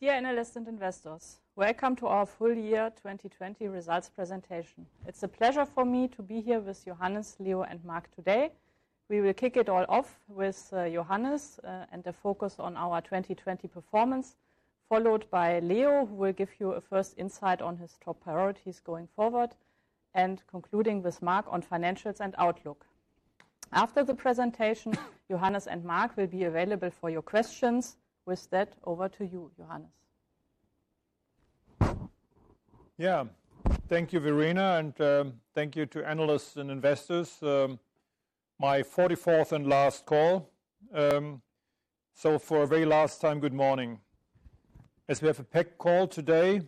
Dear analysts and investors, welcome to our full year 2020 results presentation. It's a pleasure for me to be here with Johannes, Leo, and Marc today. We will kick it all off with Johannes and a focus on our 2020 performance, followed by Leo, who will give you a first insight on his top priorities going forward, and concluding with Marc on financials and outlook. After the presentation, Johannes and Marc will be available for your questions. With that, over to you, Johannes. Thank you, Verena, and thank you to analysts and investors. My 44th and last call. For a very last time, good morning. As we have a packed call today,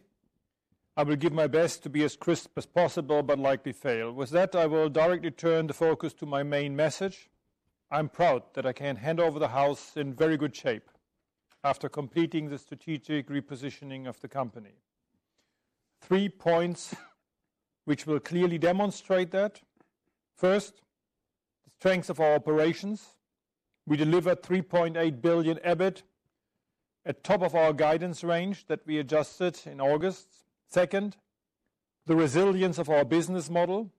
I will give my best to be as crisp as possible, but likely fail. With that, I will directly turn the focus to my main message. I'm proud that I can hand over the house in very good shape after completing the strategic repositioning of the company. Three points which will clearly demonstrate that. First, the strength of our operations. We delivered 3.8 billion EBIT at top of our guidance range that we adjusted in August. Second, the resilience of our business model,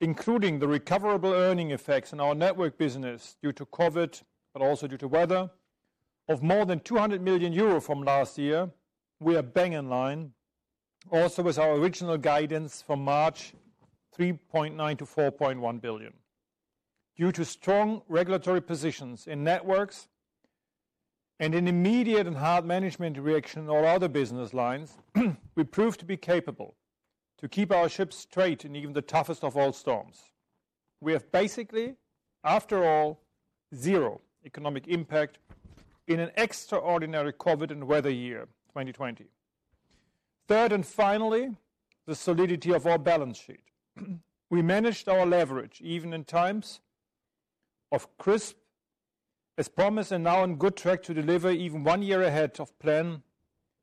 including the recoverable earning effects in our network business due to COVID, but also due to weather, of more than 200 million euro from last year. We are bang in line. With our original guidance from March, 3.9 billion to 4.1 billion. Due to strong regulatory positions in networks and an immediate and hard management reaction in all other business lines, we proved to be capable to keep our ships straight in even the toughest of all storms. We have basically, after all, zero economic impact in an extraordinary COVID and weather year, 2020. The solidity of our balance sheet. We managed our leverage, even in times of crisis, as promised, and now on good track to deliver even one year ahead of plan,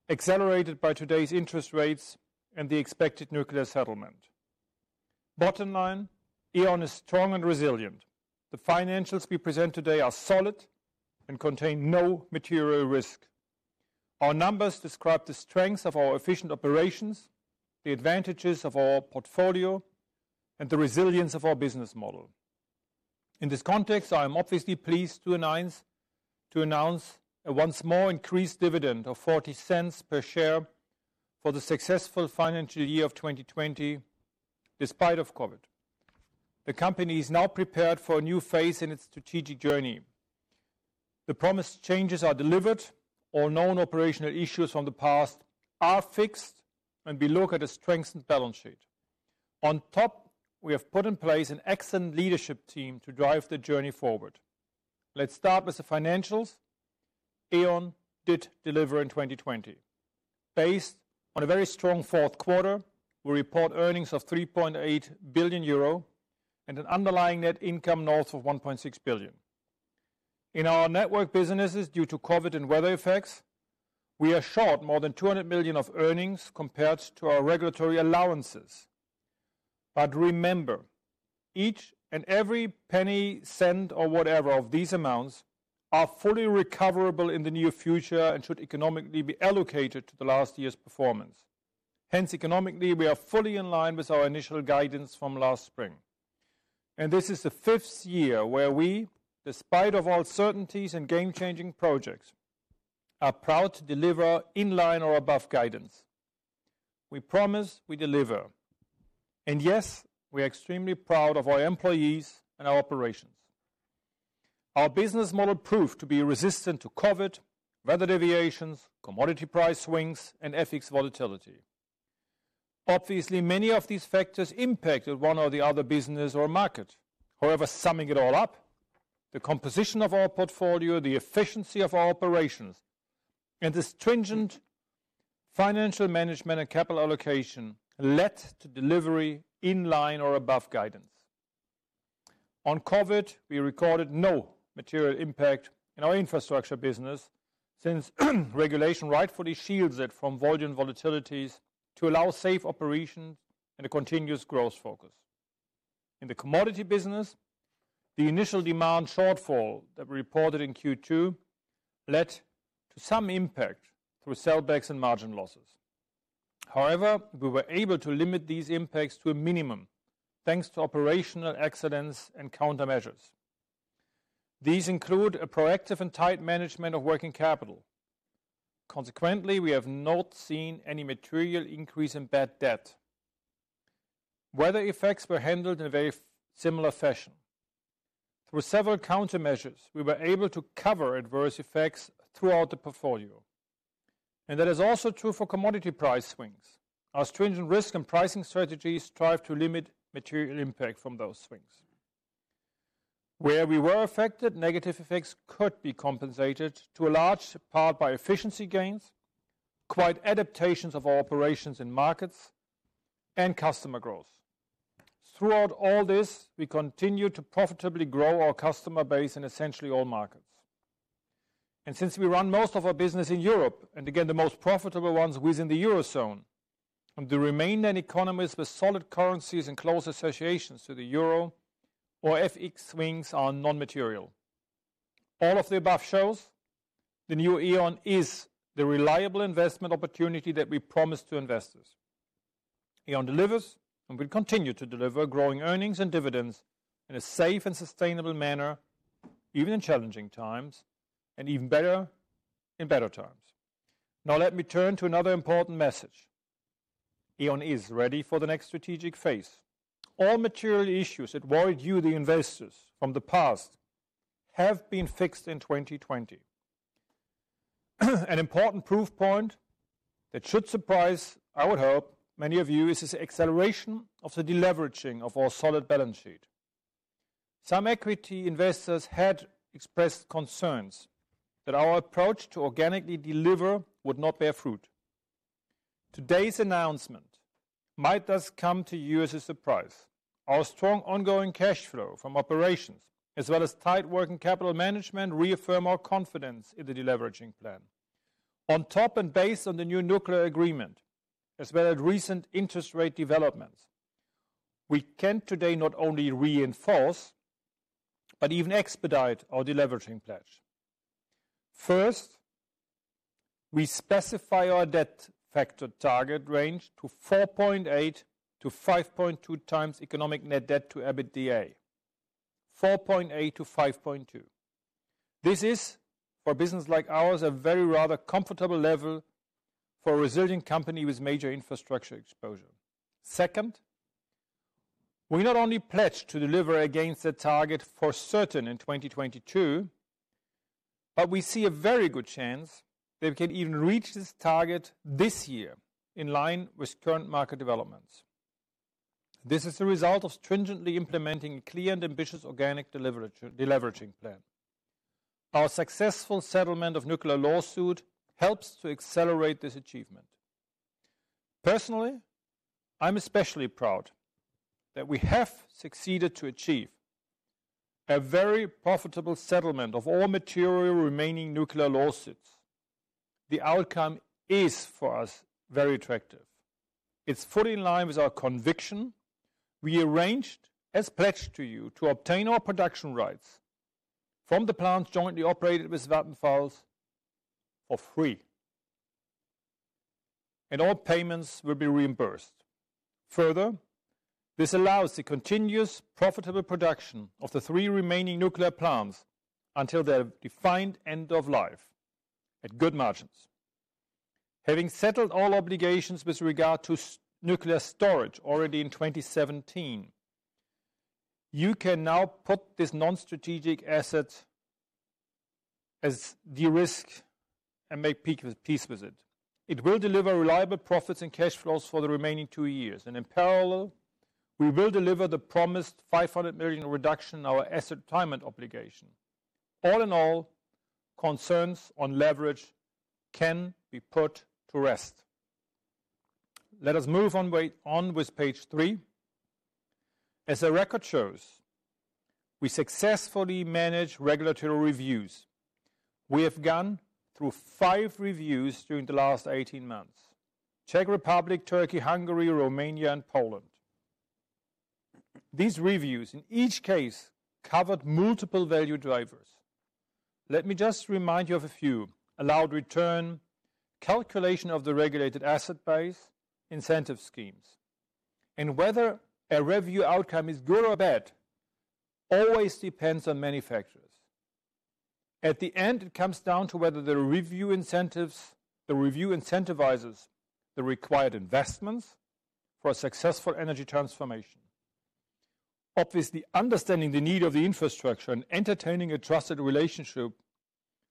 accelerated by today's interest rates and the expected nuclear settlement. E.ON is strong and resilient. The financials we present today are solid and contain no material risk. Our numbers describe the strength of our efficient operations, the advantages of our portfolio, and the resilience of our business model. In this context, I am obviously pleased to announce a once more increased dividend of 0.40 per share for the successful financial year of 2020, despite of COVID. The company is now prepared for a new phase in its strategic journey. The promised changes are delivered. All known operational issues from the past are fixed, and we look at a strengthened balance sheet. On top, we have put in place an excellent leadership team to drive the journey forward. Let's start with the financials. E.ON did deliver in 2020. Based on a very strong fourth quarter, we report earnings of 3.8 billion euro and an underlying net income north of 1.6 billion. In our network businesses, due to COVID and weather effects, we are short more than 200 million of earnings compared to our regulatory allowances. Remember, each and every penny, cent, or whatever of these amounts are fully recoverable in the near future and should economically be allocated to the last year's performance. Hence, economically, we are fully in line with our initial guidance from last spring. This is the fifth year where we, despite of uncertainties and game-changing projects, are proud to deliver in line or above guidance. We promise, we deliver. Yes, we are extremely proud of our employees and our operations. Our business model proved to be resistant to COVID, weather deviations, commodity price swings, and FX volatility. Obviously, many of these factors impacted one or the other business or market. However, summing it all up, the composition of our portfolio, the efficiency of our operations, and the stringent financial management and capital allocation led to delivery in line or above guidance. On COVID-19, we recorded no material impact in our infrastructure business since regulation rightfully shields it from volume volatilities to allow safe operations and a continuous growth focus. In the commodity business, the initial demand shortfall that we reported in Q2 led to some impact through sellbacks and margin losses. However, we were able to limit these impacts to a minimum thanks to operational excellence and countermeasures. These include a proactive and tight management of working capital. Consequently, we have not seen any material increase in bad debt. Weather effects were handled in a very similar fashion. Through several countermeasures, we were able to cover adverse effects throughout the portfolio, and that is also true for commodity price swings. Our stringent risk and pricing strategies strive to limit material impact from those swings. Where we were affected, negative effects could be compensated to a large part by efficiency gains, quite adaptations of our operations and markets, and customer growth. Throughout all this, we continue to profitably grow our customer base in essentially all markets. Since we run most of our business in Europe, and again, the most profitable ones within the Eurozone. The remaining economies with solid currencies and close associations to the euro or FX swings are non-material. All of the above shows the new E.ON is the reliable investment opportunity that we promised to investors. E.ON delivers and will continue to deliver growing earnings and dividends in a safe and sustainable manner, even in challenging times, and even better in better times. Let me turn to another important message. E.ON is ready for the next strategic phase. All material issues that worried you, the investors, from the past, have been fixed in 2020. An important proof point that should surprise, I would hope, many of you is this acceleration of the deleveraging of our solid balance sheet. Some equity investors had expressed concerns that our approach to organically deliver would not bear fruit. Today's announcement might thus come to you as a surprise. Our strong ongoing cash flow from operations, as well as tight working capital management, reaffirm our confidence in the deleveraging plan. On top, and based on the new nuclear agreement, as well as recent interest rate developments, we can today not only reinforce but even expedite our deleveraging pledge. First, we specify our debt factor target range to 4.8 to 5.2 times economic net debt to EBITDA. 4.8 to 5.2. This is, for a business like ours, a very rather comfortable level for a resilient company with major infrastructure exposure. We not only pledge to deliver against the target for certain in 2022, but we see a very good chance that we can even reach this target this year, in line with current market developments. This is the result of stringently implementing a clear and ambitious organic deleveraging plan. Our successful settlement of nuclear lawsuit helps to accelerate this achievement. Personally, I'm especially proud that we have succeeded to achieve a very profitable settlement of all material remaining nuclear lawsuits. The outcome is, for us, very attractive. It's fully in line with our conviction. We arranged, as pledged to you, to obtain our production rights from the plants jointly operated with Vattenfall for free. All payments will be reimbursed. Further, this allows the continuous profitable production of the three remaining nuclear plants until their defined end of life at good margins. Having settled all obligations with regard to nuclear storage already in 2017, you can now put this non-strategic asset as de-risked and make peace with it. It will deliver reliable profits and cash flows for the remaining two years, and in parallel, we will deliver the promised 500 million reduction in our asset retirement obligation. All in all, concerns on leverage can be put to rest. Let us move on with page three. As the record shows, we successfully manage regulatory reviews. We have gone through five reviews during the last 18 months. Czech Republic, Turkey, Hungary, Romania, and Poland. These reviews, in each case, covered multiple value drivers. Let me just remind you of a few. Allowed return, calculation of the regulated asset base, incentive schemes. Whether a review outcome is good or bad always depends on many factors. At the end, it comes down to whether the review incentivizes the required investments for a successful energy transformation. Obviously, understanding the need of the infrastructure and entertaining a trusted relationship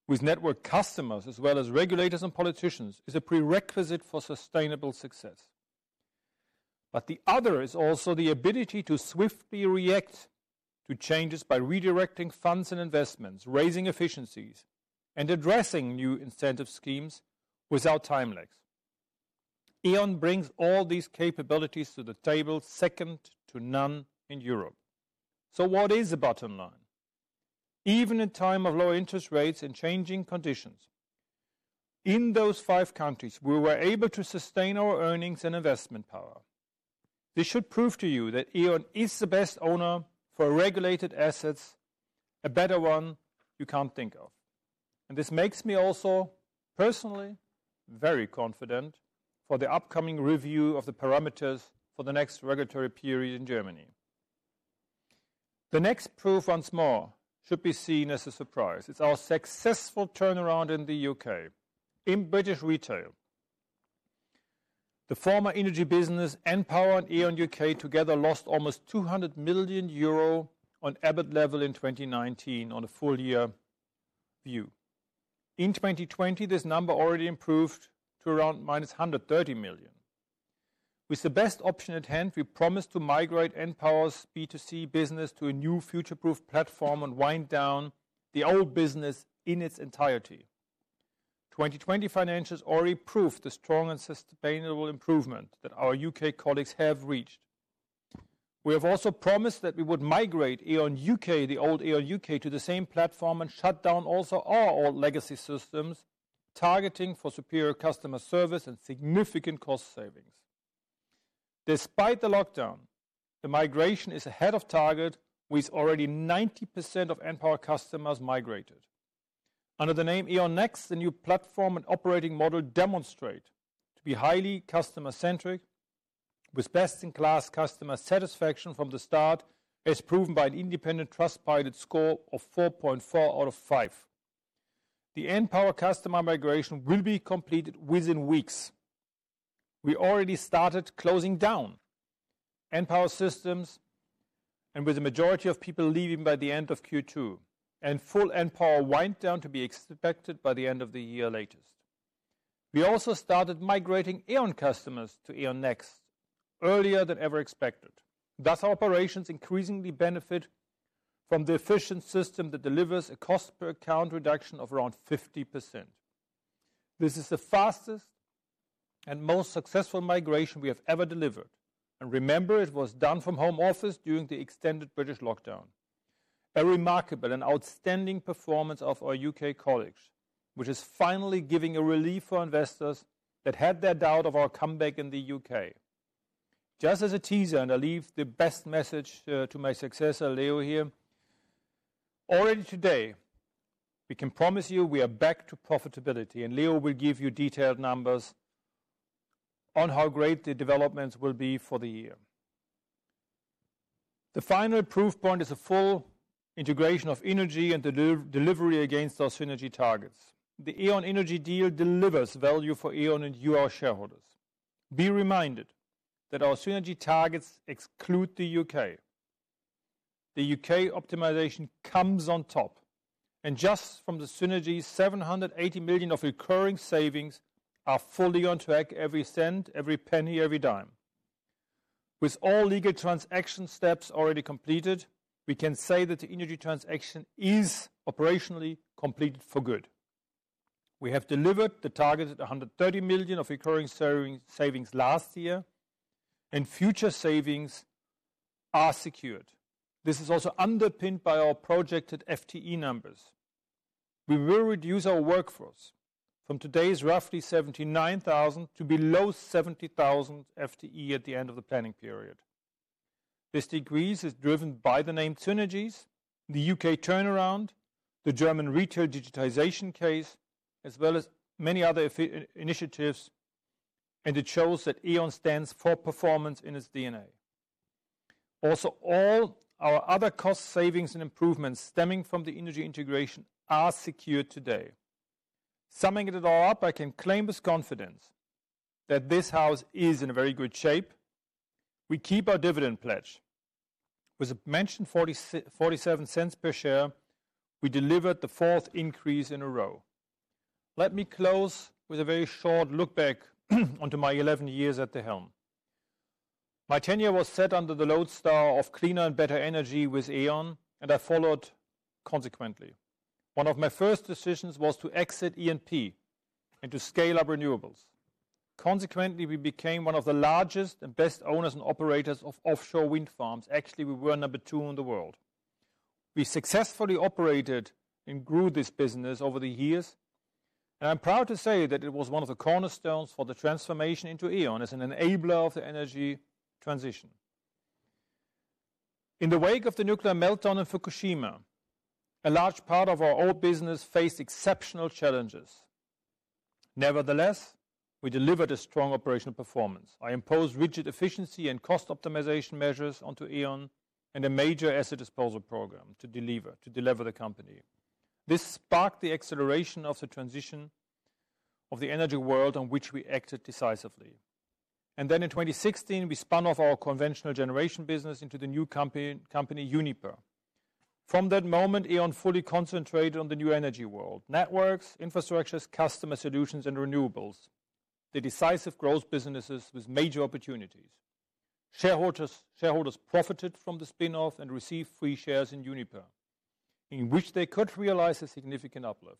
with network customers as well as regulators and politicians is a prerequisite for sustainable success. The other is also the ability to swiftly react to changes by redirecting funds and investments, raising efficiencies, and addressing new incentive schemes without time lags. E.ON brings all these capabilities to the table, second to none in Europe. What is the bottom line? Even in time of low interest rates and changing conditions, in those five countries, we were able to sustain our earnings and investment power. This should prove to you that E.ON is the best owner for regulated assets, a better one you can't think of. This makes me also, personally, very confident for the upcoming review of the parameters for the next regulatory period in Germany. The next proof, once more, should be seen as a surprise. It's our successful turnaround in the U.K. In British retail, the former innogy business, npower and E.ON UK together lost almost 200 million euro on EBIT level in 2019 on a full-year view. In 2020, this number already improved to around -130 million. With the best option at hand, we promised to migrate npower's B2C business to a new future-proof platform and wind down the old business in its entirety. 2020 financials already proved the strong and sustainable improvement that our U.K. colleagues have reached. We have also promised that we would migrate E.ON UK, the old E.ON UK, to the same platform and shut down also our old legacy systems, targeting for superior customer service and significant cost savings. Despite the lockdown, the migration is ahead of target, with already 90% of npower customers migrated. Under the name E.ON Next, the new platform and operating model demonstrate to be highly customer-centric, with best-in-class customer satisfaction from the start, as proven by an independent Trustpilot score of 4.4 out of five. The npower customer migration will be completed within weeks. We already started closing down npower systems and with the majority of people leaving by the end of Q2, and full npower wind down to be expected by the end of the year latest. We also started migrating E.ON customers to E.ON Next earlier than ever expected. Our operations increasingly benefit from the efficient system that delivers a cost per account reduction of around 50%. This is the fastest and most successful migration we have ever delivered. Remember, it was done from home office during the extended British lockdown. A remarkable and outstanding performance of our U.K. colleagues, which is finally giving a relief for investors that had their doubt of our comeback in the U.K. Just as a teaser, I leave the best message to my successor, Leo, here. Already today, we can promise you we are back to profitability, Leo will give you detailed numbers on how great the developments will be for the year. The final proof point is a full integration of innogy and delivery against our synergy targets. The E.ON innogy deal delivers value for E.ON and you, our shareholders. Be reminded that our synergy targets exclude the U.K. The U.K. optimization comes on top. Just from the synergies, 780 million of recurring savings are fully on track, every cent, every penny, every dime. With all legal transaction steps already completed, we can say that the innogy transaction is operationally completed for good. We have delivered the targeted 130 million of recurring savings last year, and future savings are secured. This is also underpinned by our projected FTE numbers. We will reduce our workforce from today's roughly 79,000 to below 70,000 FTE at the end of the planning period. This decrease is driven by the named synergies, the U.K. turnaround, the German retail digitization case, as well as many other initiatives, and it shows that E.ON stands for performance in its DNA. All our other cost savings and improvements stemming from the innogy integration are secured today. Summing it all up, I can claim with confidence that this house is in a very good shape. We keep our dividend pledge. With the mentioned 0.47 per share, we delivered the fourth increase in a row. Let me close with a very short look back onto my 11 years at the helm. My tenure was set under the lodestar of cleaner and better energy with E.ON, and I followed consequently. One of my first decisions was to exit E&P and to scale up renewables. We became one of the largest and best owners and operators of offshore wind farms. Actually, we were number two in the world. We successfully operated and grew this business over the years, and I'm proud to say that it was one of the cornerstones for the transformation into E.ON as an enabler of the energy transition. In the wake of the nuclear meltdown in Fukushima, a large part of our old business faced exceptional challenges. Nevertheless, we delivered a strong operational performance. I imposed rigid efficiency and cost optimization measures onto E.ON and a major asset disposal program to delever the company. This sparked the acceleration of the transition of the energy world in which we acted decisively. In 2016, we spun off our conventional generation business into the new company, Uniper. From that moment, E.ON fully concentrated on the new energy world, networks, infrastructures, customer solutions, and renewables, the decisive growth businesses with major opportunities. Shareholders profited from the spin-off and received free shares in Uniper, in which they could realize a significant uplift.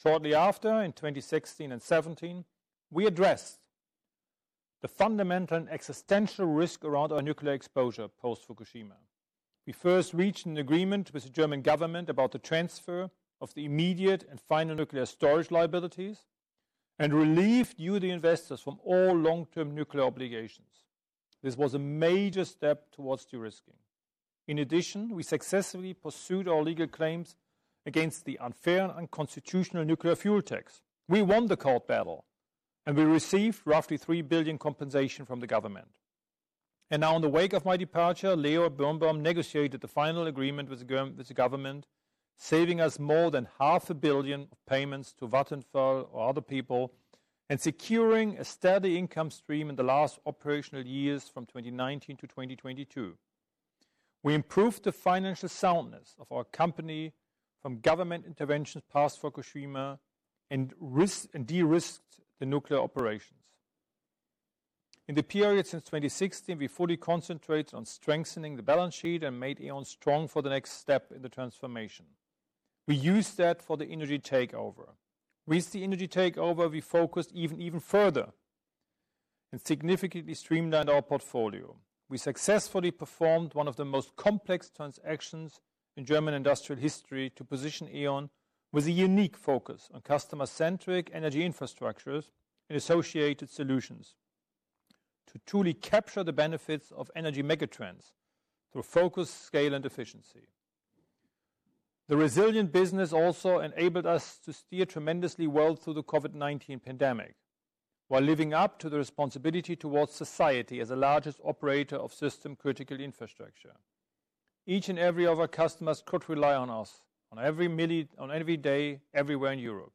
Shortly after, in 2016 and 2017, we addressed the fundamental and existential risk around our nuclear exposure post-Fukushima. We first reached an agreement with the German government about the transfer of the immediate and final nuclear storage liabilities and relieved you, the investors, from all long-term nuclear obligations. This was a major step towards de-risking. In addition, we successfully pursued our legal claims against the unfair and unconstitutional nuclear fuel tax. We won the court battle, and we received roughly 3 billion compensation from the government. Now, in the wake of my departure, Leo Birnbaum negotiated the final agreement with the government, saving us more than half a billion EUR of payments to Vattenfall or other people and securing a steady income stream in the last operational years from 2019 to 2022. We improved the financial soundness of our company from government interventions post-Fukushima and de-risked the nuclear operations. In the period since 2016, we fully concentrated on strengthening the balance sheet and made E.ON strong for the next step in the transformation. We use that for the innogy takeover. With the innogy takeover, we focused even further and significantly streamlined our portfolio. We successfully performed one of the most complex transactions in German industrial history to position E.ON with a unique focus on customer-centric energy infrastructures and associated solutions to truly capture the benefits of energy megatrends through focus, scale, and efficiency. The resilient business also enabled us to steer tremendously well through the COVID-19 pandemic while living up to the responsibility toward society as the largest operator of system critical infrastructure. Each and every of our customers could rely on us on every day, everywhere in Europe.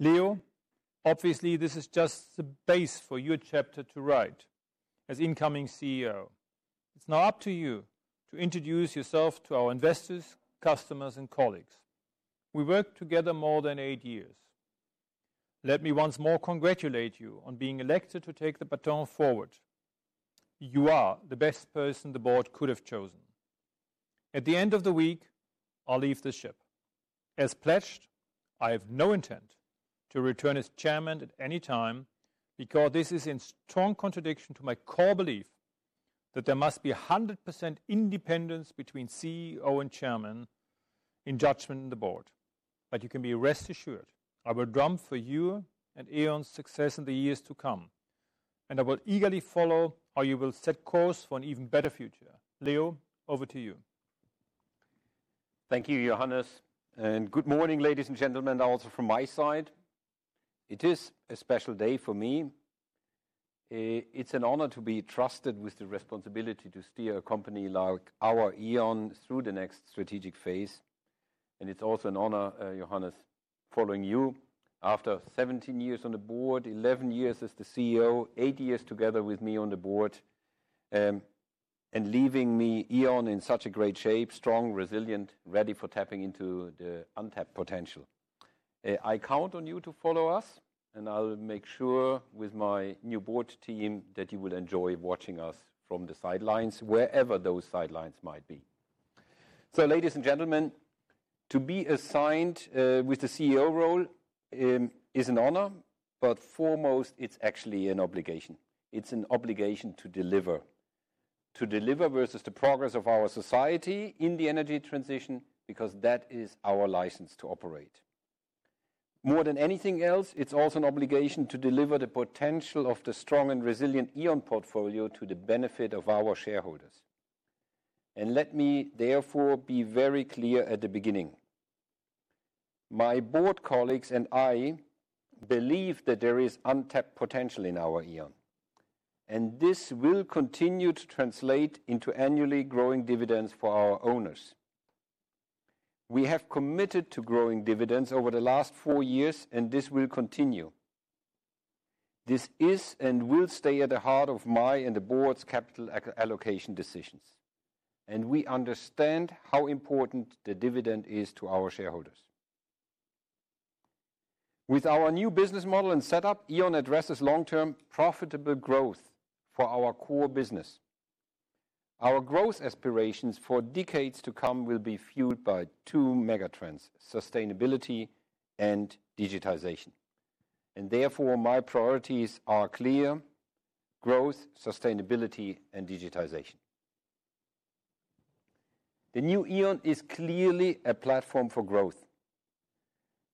Leo, obviously, this is just the base for your chapter to write as incoming CEO. It's now up to you to introduce yourself to our investors, customers, and colleagues. We worked together more than eight years. Let me once more congratulate you on being elected to take the baton forward. You are the best person the board could have chosen. At the end of the week, I'll leave the ship. As pledged, I have no intent to return as chairman at any time because this is in strong contradiction to my core belief that there must be 100% independence between CEO and chairman in judging the board. You can be rest assured, I will drum for you and E.ON's success in the years to come, and I will eagerly follow how you will set course for an even better future. Leo, over to you. Thank you, Johannes. Good morning, ladies and gentlemen, also from my side. It is a special day for me. It's an honor to be trusted with the responsibility to steer a company like our E.ON through the next strategic phase, and it's also an honor, Johannes, following you after 17 years on the board, 11 years as the CEO, eight years together with me on the board, and leaving me E.ON in such a great shape, strong, resilient, ready for tapping into the untapped potential. I count on you to follow us, and I will make sure with my new board team that you will enjoy watching us from the sidelines, wherever those sidelines might be. Ladies and gentlemen, to be assigned with the CEO role is an honor, but foremost, it's actually an obligation. It's an obligation to deliver. To deliver versus the progress of our society in the energy transition, because that is our license to operate. More than anything else, it's also an obligation to deliver the potential of the strong and resilient E.ON portfolio to the benefit of our shareholders. Let me therefore be very clear at the beginning. My board colleagues and I believe that there is untapped potential in our E.ON, and this will continue to translate into annually growing dividends for our owners. We have committed to growing dividends over the last four years, and this will continue. This is and will stay at the heart of my and the board's capital allocation decisions, and we understand how important the dividend is to our shareholders. With our new business model and setup, E.ON addresses long-term profitable growth for our core business. Our growth aspirations for decades to come will be fueled by two megatrends, sustainability and digitization. Therefore, my priorities are clear, growth, sustainability, and digitization. The new E.ON is clearly a platform for growth.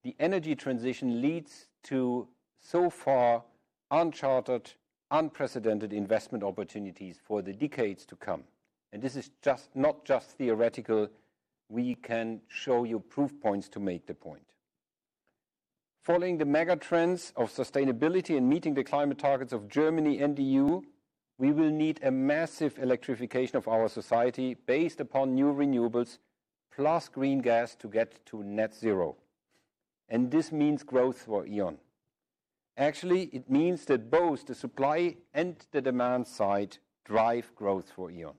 The energy transition leads to so far uncharted, unprecedented investment opportunities for the decades to come. This is not just theoretical. We can show you proof points to make the point. Following the megatrends of sustainability and meeting the climate targets of Germany and EU, we will need a massive electrification of our society based upon new renewables plus green gas to get to net zero. This means growth for E.ON. Actually, it means that both the supply and the demand side drive growth for E.ON.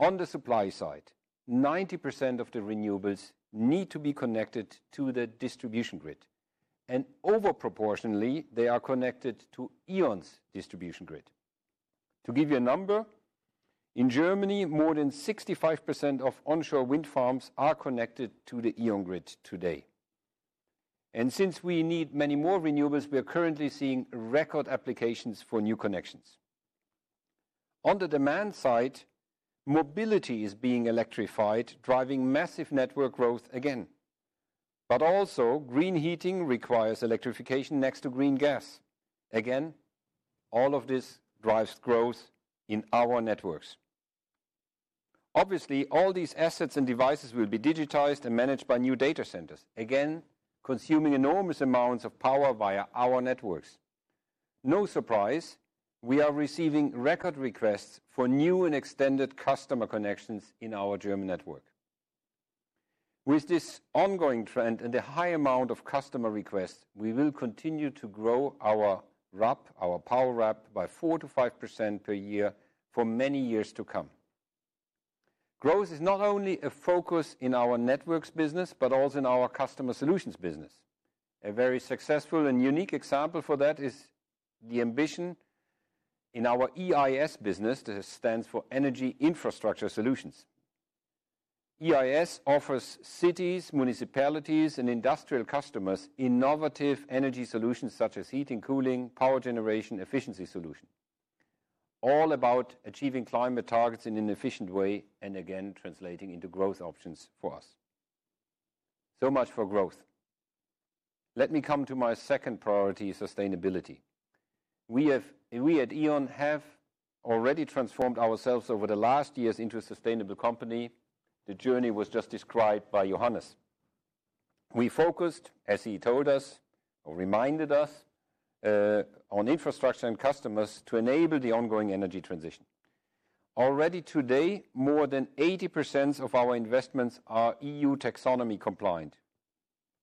On the supply side, 90% of the renewables need to be connected to the distribution grid, and over-proportionally, they are connected to E.ON's distribution grid. To give you a number, in Germany, more than 65% of onshore wind farms are connected to the E.ON grid today. Since we need many more renewables, we are currently seeing record applications for new connections. On the demand side, mobility is being electrified, driving massive network growth again. Also, green heating requires electrification next to green gas. Again, all of this drives growth in our networks. Obviously, all these assets and devices will be digitized and managed by new data centers. Again, consuming enormous amounts of power via our networks. No surprise, we are receiving record requests for new and extended customer connections in our German network. With this ongoing trend and the high amount of customer requests, we will continue to grow our power RAB by 4%-5% per year for many years to come. Growth is not only a focus in our networks business, but also in our customer solutions business. A very successful and unique example for that is the ambition in our EIS business, that stands for Energy Infrastructure Solutions. EIS offers cities, municipalities, and industrial customers innovative energy solutions such as heating, cooling, power generation, efficiency solution. All about achieving climate targets in an efficient way, and again, translating into growth options for us. Much for growth. Let me come to my second priority, sustainability. We at E.ON have already transformed ourselves over the last years into a sustainable company. The journey was just described by Johannes. We focused, as he told us, or reminded us, on infrastructure and customers to enable the ongoing energy transition. Already today, more than 80% of our investments are EU taxonomy compliant.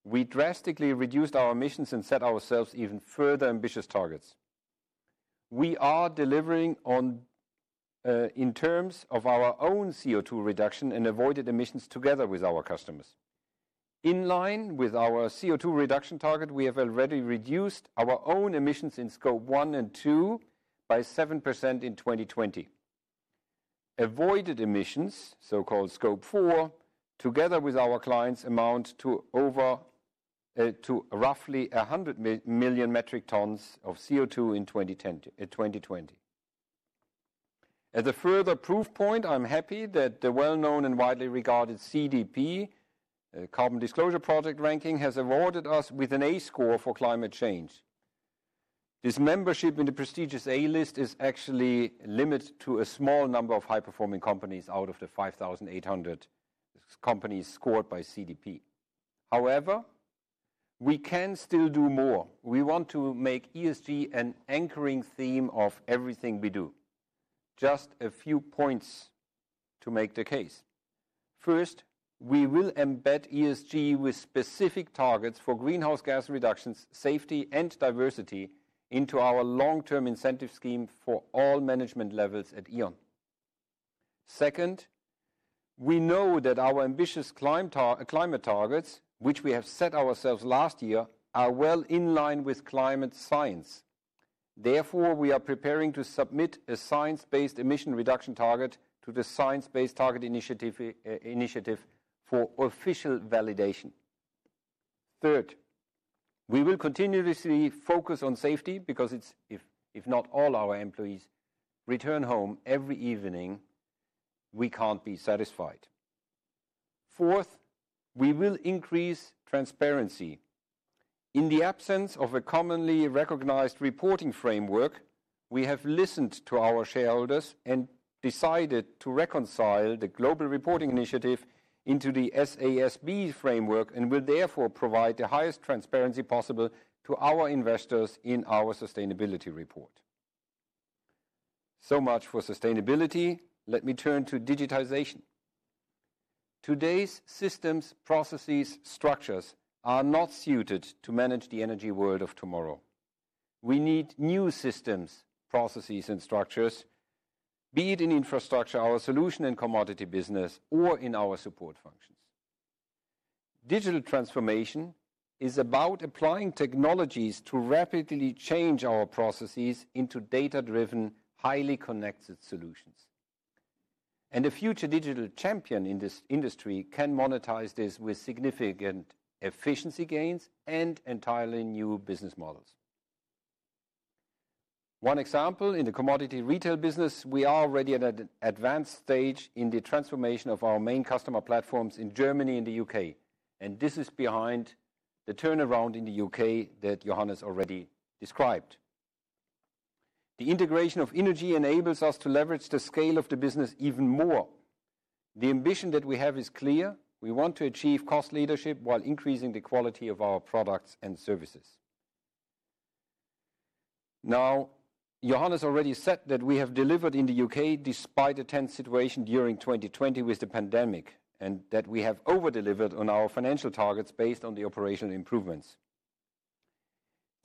We drastically reduced our emissions and set ourselves even further ambitious targets. We are delivering in terms of our own CO2 reduction and avoided emissions together with our customers. In line with our CO2 reduction target, we have already reduced our own emissions in Scope 1 and 2 by 7% in 2020. Avoided emissions, so-called Scope 4, together with our clients, amount to roughly 100 million metric tons of CO2 in 2020. As a further proof point, I'm happy that the well-known and widely regarded CDP, Carbon Disclosure Project Ranking, has awarded us with an A score for climate change. This membership in the prestigious A list is actually limited to a small number of high-performing companies out of the 5,800 companies scored by CDP. We can still do more. We want to make ESG an anchoring theme of everything we do. Just a few points to make the case. First, we will embed ESG with specific targets for greenhouse gas reductions, safety, and diversity into our long-term incentive scheme for all management levels at E.ON. Second, we know that our ambitious climate targets, which we have set ourselves last year, are well in line with climate science. Therefore, we are preparing to submit a science-based emission reduction target to the Science Based Targets initiative for official validation. Third, we will continuously focus on safety because if not all our employees return home every evening, we can't be satisfied. Fourth, we will increase transparency. In the absence of a commonly recognized reporting framework, we have listened to our shareholders and decided to reconcile the Global Reporting Initiative into the SASB framework and will therefore provide the highest transparency possible to our investors in our sustainability report. Much for sustainability. Let me turn to digitization. Today's systems, processes, structures are not suited to manage the energy world of tomorrow. We need new systems, processes, and structures, be it in infrastructure, our solution and commodity business, or in our support functions. Digital transformation is about applying technologies to rapidly change our processes into data-driven, highly connected solutions. A future digital champion in this industry can monetize this with significant efficiency gains and entirely new business models. One example, in the commodity retail business, we are already at an advanced stage in the transformation of our main customer platforms in Germany and the U.K. This is behind the turnaround in the U.K. that Johannes already described. The integration of innogy enables us to leverage the scale of the business even more. The ambition that we have is clear. We want to achieve cost leadership while increasing the quality of our products and services. Johannes already said that we have delivered in the U.K. despite a tense situation during 2020 with the pandemic, and that we have over-delivered on our financial targets based on the operational improvements.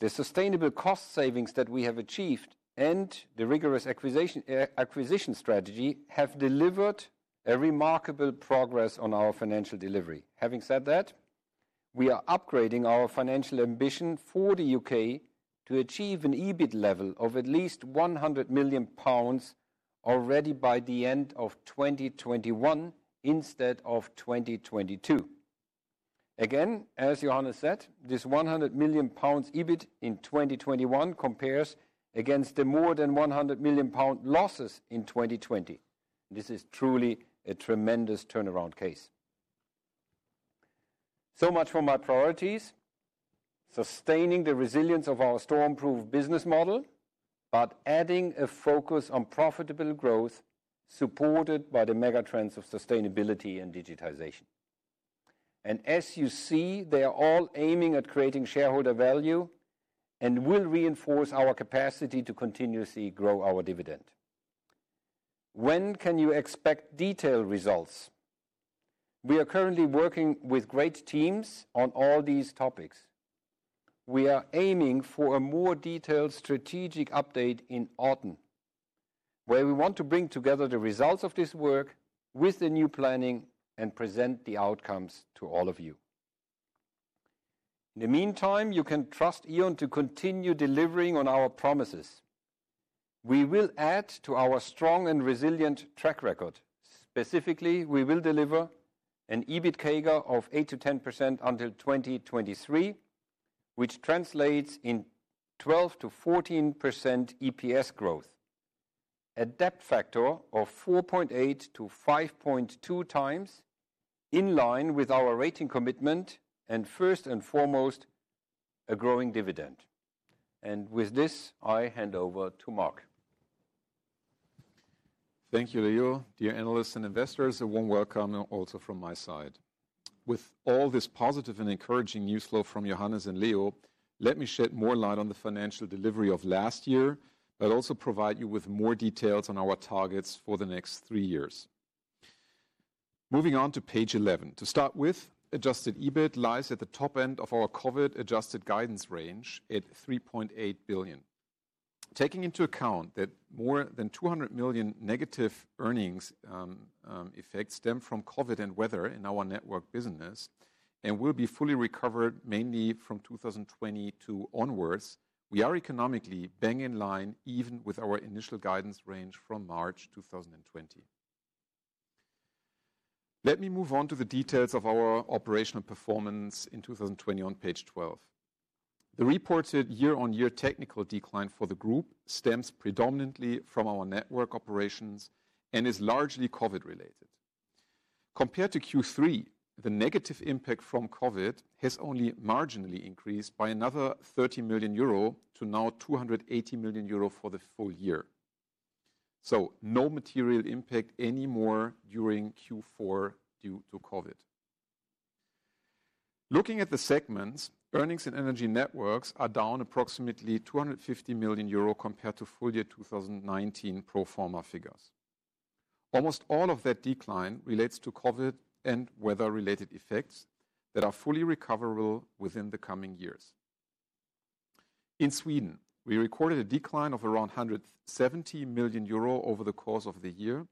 The sustainable cost savings that we have achieved and the rigorous acquisition strategy have delivered a remarkable progress on our financial delivery. Having said that, we are upgrading our financial ambition for the U.K. to achieve an EBIT level of at least 100 million pounds already by the end of 2021 instead of 2022. As Johannes said, this 100 million pounds EBIT in 2021 compares against the more than 100 million pound losses in 2020. This is truly a tremendous turnaround case. Much for my priorities. Sustaining the resilience of our storm-proof business model, but adding a focus on profitable growth supported by the mega trends of sustainability and digitization. As you see, they are all aiming at creating shareholder value and will reinforce our capacity to continuously grow our dividend. When can you expect detailed results? We are currently working with great teams on all these topics. We are aiming for a more detailed strategic update in autumn, where we want to bring together the results of this work with the new planning and present the outcomes to all of you. In the meantime, you can trust E.ON to continue delivering on our promises. We will add to our strong and resilient track record. Specifically, we will deliver an EBIT CAGR of 8%-10% until 2023, which translates in 12%-14% EPS growth. A debt factor of 4.8-5.2x, in line with our rating commitment, and first and foremost, a growing dividend. With this, I hand over to Marc. Thank you, Leo. Dear analysts and investors, a warm welcome also from my side. With all this positive and encouraging news flow from Johannes and Leo, let me shed more light on the financial delivery of last year, but also provide you with more details on our targets for the next three years. Moving on to page 11. To start with, adjusted EBIT lies at the top end of our COVID-adjusted guidance range at 3.8 billion. Taking into account that more than 200 million negative earnings effects stem from COVID and weather in our network business, and will be fully recovered mainly from 2022 onwards, we are economically bang in line even with our initial guidance range from March 2020. Let me move on to the details of our operational performance in 2020 on page 12. The reported year-over-year technical decline for the group stems predominantly from our network operations and is largely COVID related. Compared to Q3, the negative impact from COVID has only marginally increased by another 30 million euro to now 280 million euro for the full-year. No material impact anymore during Q4 due to COVID. Looking at the segments, earnings and energy networks are down approximately 250 million euro compared to full-year 2019 pro forma figures. Almost all of that decline relates to COVID and weather-related effects that are fully recoverable within the coming years. In Sweden, we recorded a decline of around 170 million euro over the course of the year,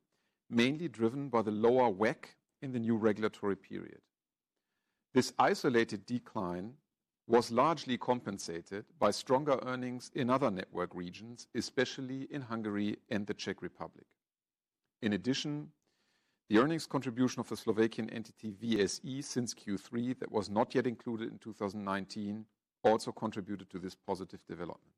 mainly driven by the lower WACC in the new regulatory period. This isolated decline was largely compensated by stronger earnings in other network regions, especially in Hungary and the Czech Republic. In addition, the earnings contribution of the Slovakian entity VSE since Q3 that was not yet included in 2019, also contributed to this positive development.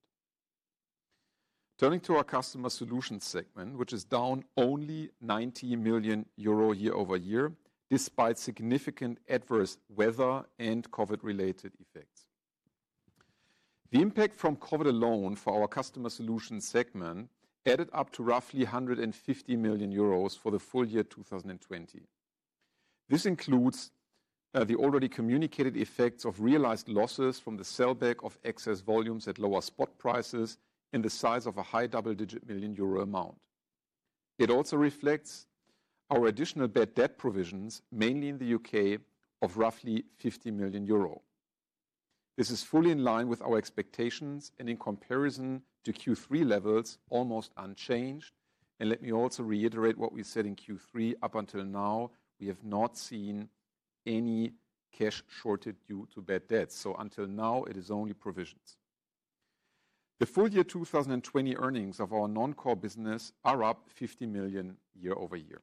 Turning to our customer solutions segment, which is down only 90 million euro year-over-year, despite significant adverse weather and COVID-related effects. The impact from COVID alone for our customer solutions segment added up to roughly 150 million euros for the full year 2020. This includes the already communicated effects of realized losses from the sell-back of excess volumes at lower spot prices in the size of a high double-digit million EUR amount. It also reflects our additional bad debt provisions, mainly in the U.K., of roughly 50 million euro. This is fully in line with our expectations, and in comparison to Q3 levels, almost unchanged. Let me also reiterate what we said in Q3, up until now, we have not seen any cash shortage due to bad debt. Until now, it is only provisions. The full-year 2020 earnings of our non-core business are up 50 million year-over-year.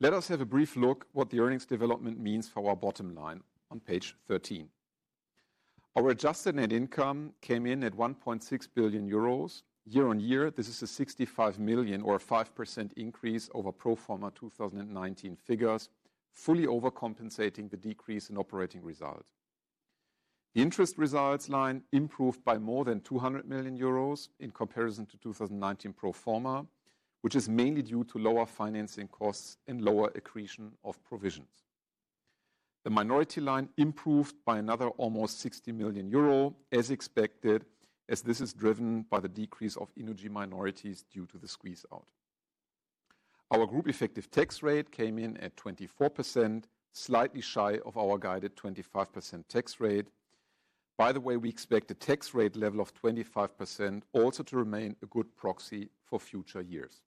Let us have a brief look what the earnings development means for our bottom line on page 13. Our adjusted net income came in at 1.6 billion euros. Year-on-year, this is a 65 million or 5% increase over pro forma 2019 figures, fully overcompensating the decrease in operating result. The interest results line improved by more than 200 million euros in comparison to 2019 pro forma, which is mainly due to lower financing costs and lower accretion of provisions. The minority line improved by another almost 60 million euro, as expected, as this is driven by the decrease of innogy minorities due to the squeeze-out. Our group effective tax rate came in at 24%, slightly shy of our guided 25% tax rate. By the way, we expect a tax rate level of 25% also to remain a good proxy for future years.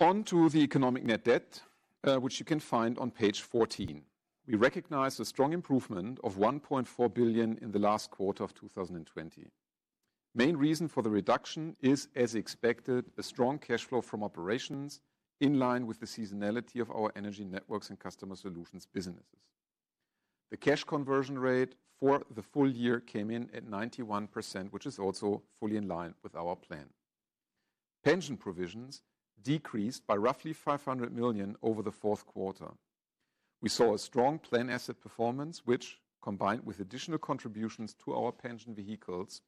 On to the economic net debt, which you can find on page 14. We recognize a strong improvement of 1.4 billion in the last quarter of 2020. Main reason for the reduction is, as expected, a strong cash flow from operations in line with the seasonality of our energy networks and customer solutions businesses. The cash conversion rate for the full-year came in at 91%, which is also fully in line with our plan. Pension provisions decreased by roughly 500 million over the fourth quarter. We saw a strong plan asset performance, which, combined with additional contributions to our pension vehicles,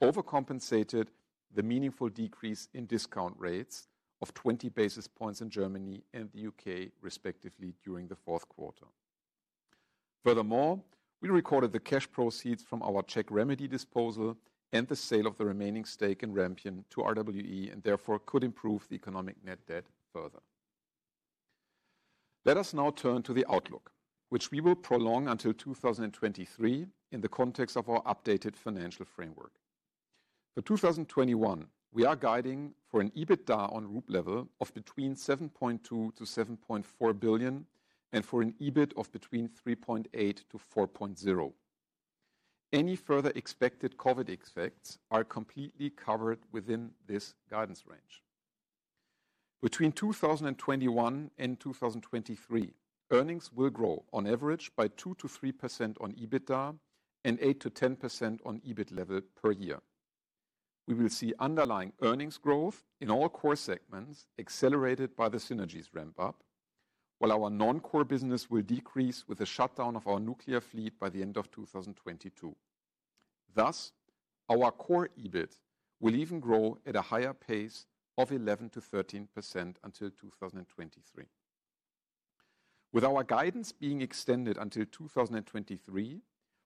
overcompensated the meaningful decrease in discount rates of 20 basis points in Germany and the U.K., respectively, during the fourth quarter. Furthermore, we recorded the cash proceeds from our Czech remedy disposal and the sale of the remaining stake in Rampion to RWE, and therefore could improve the economic net debt further. Let us now turn to the outlook, which we will prolong until 2023 in the context of our updated financial framework. For 2021, we are guiding for an EBITDA on group level of between 7.2 billion-7.4 billion and for an EBIT of between 3.8 billion-4.0 billion. Any further expected COVID effects are completely covered within this guidance range. Between 2021 and 2023, earnings will grow on average by 2%-3% on EBITDA and 8%-10% on EBIT level per year. We will see underlying earnings growth in all core segments accelerated by the synergies ramp-up, while our non-core business will decrease with the shutdown of our nuclear fleet by the end of 2022. Our core EBIT will even grow at a higher pace of 11%-13% until 2023. With our guidance being extended until 2023,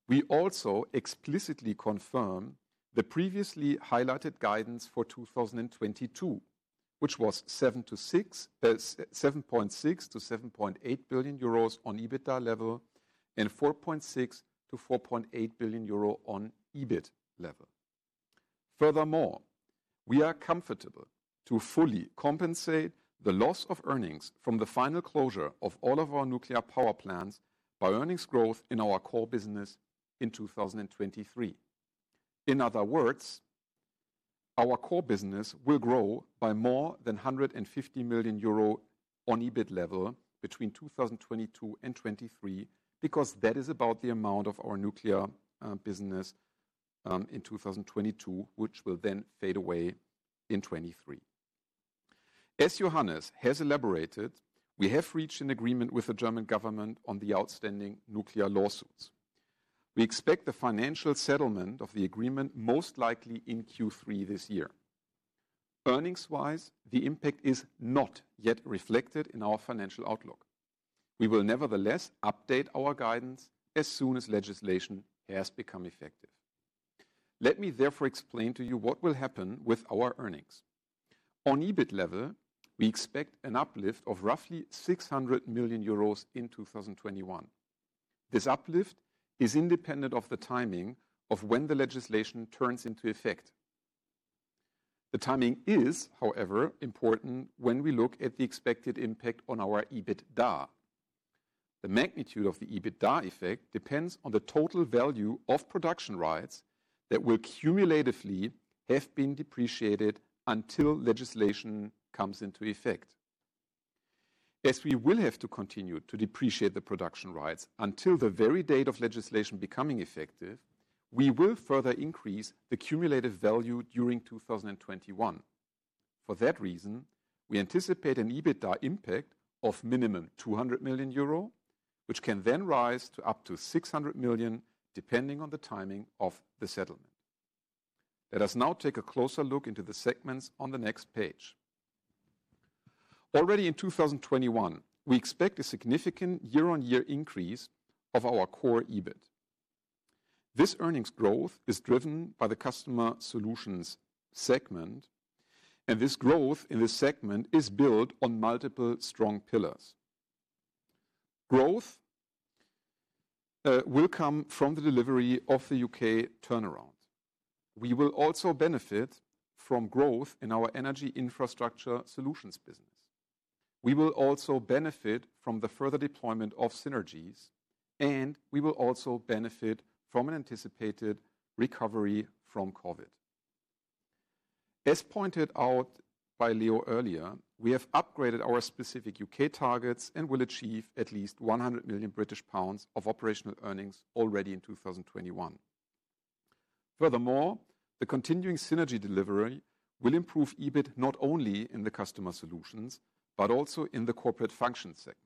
we also explicitly confirm the previously highlighted guidance for 2022, which was 7.6 billion-7.8 billion euros on EBITDA level and 4.6 billion-4.8 billion euro on EBIT level. We are comfortable to fully compensate the loss of earnings from the final closure of all of our nuclear power plants by earnings growth in our core business in 2023. In other words, our core business will grow by more than 150 million euro on EBIT level between 2022 and 2023 because that is about the amount of our nuclear business in 2022, which will then fade away in 2023. As Johannes has elaborated, we have reached an agreement with the German government on the outstanding nuclear lawsuits. We expect the financial settlement of the agreement most likely in Q3 this year. Earnings-wise, the impact is not yet reflected in our financial outlook. We will nevertheless update our guidance as soon as legislation has become effective. Let me therefore explain to you what will happen with our earnings. On EBIT level, we expect an uplift of roughly 600 million euros in 2021. This uplift is independent of the timing of when the legislation turns into effect. The timing is, however, important when we look at the expected impact on our EBITDA. The magnitude of the EBITDA effect depends on the total value of production rights that will cumulatively have been depreciated until legislation comes into effect. As we will have to continue to depreciate the production rights until the very date of legislation becoming effective, we will further increase the cumulative value during 2021. For that reason, we anticipate an EBITDA impact of minimum 200 million euro, which can then rise to up to 600 million, depending on the timing of the settlement. Let us now take a closer look into the segments on the next page. Already in 2021, we expect a significant year-on-year increase of our core EBIT. This earnings growth is driven by the Customer Solutions segment, and this growth in this segment is built on multiple strong pillars. Growth will come from the delivery of the U.K. turnaround. We will also benefit from growth in our Energy Infrastructure Solutions. We will also benefit from the further deployment of synergies, and we will also benefit from an anticipated recovery from COVID-19. As pointed out by Leo earlier, we have upgraded our specific U.K. targets and will achieve at least 100 million British pounds of operational earnings already in 2021. Furthermore, the continuing synergy delivery will improve EBIT not only in the customer solutions, but also in the corporate function segment.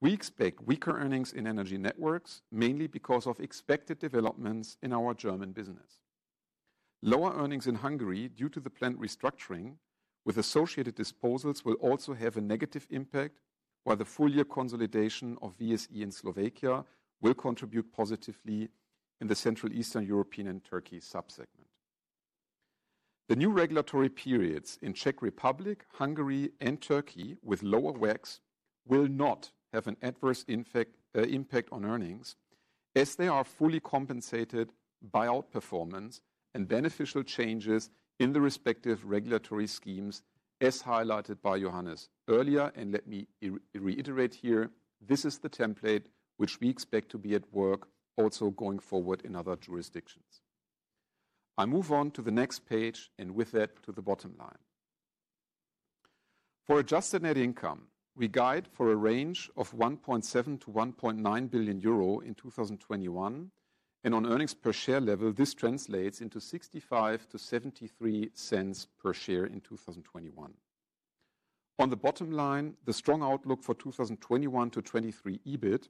We expect weaker earnings in energy networks, mainly because of expected developments in our German business. Lower earnings in Hungary due to the planned restructuring with associated disposals will also have a negative impact, while the full year consolidation of VSE in Slovakia will contribute positively in the Central Eastern European and Turkey subsegment. The new regulatory periods in Czech Republic, Hungary, and Turkey with lower WACC will not have an adverse impact on earnings as they are fully compensated by outperformance and beneficial changes in the respective regulatory schemes, as highlighted by Johannes earlier. Let me reiterate here, this is the template which we expect to be at work also going forward in other jurisdictions. I move on to the next page. With that, to the bottom line. For adjusted net income, we guide for a range of 1.7 billion-1.9 billion euro in 2021. On EPS level, this translates into 0.65-0.73 per share in 2021. On the bottom line, the strong outlook for 2021-2023 EBIT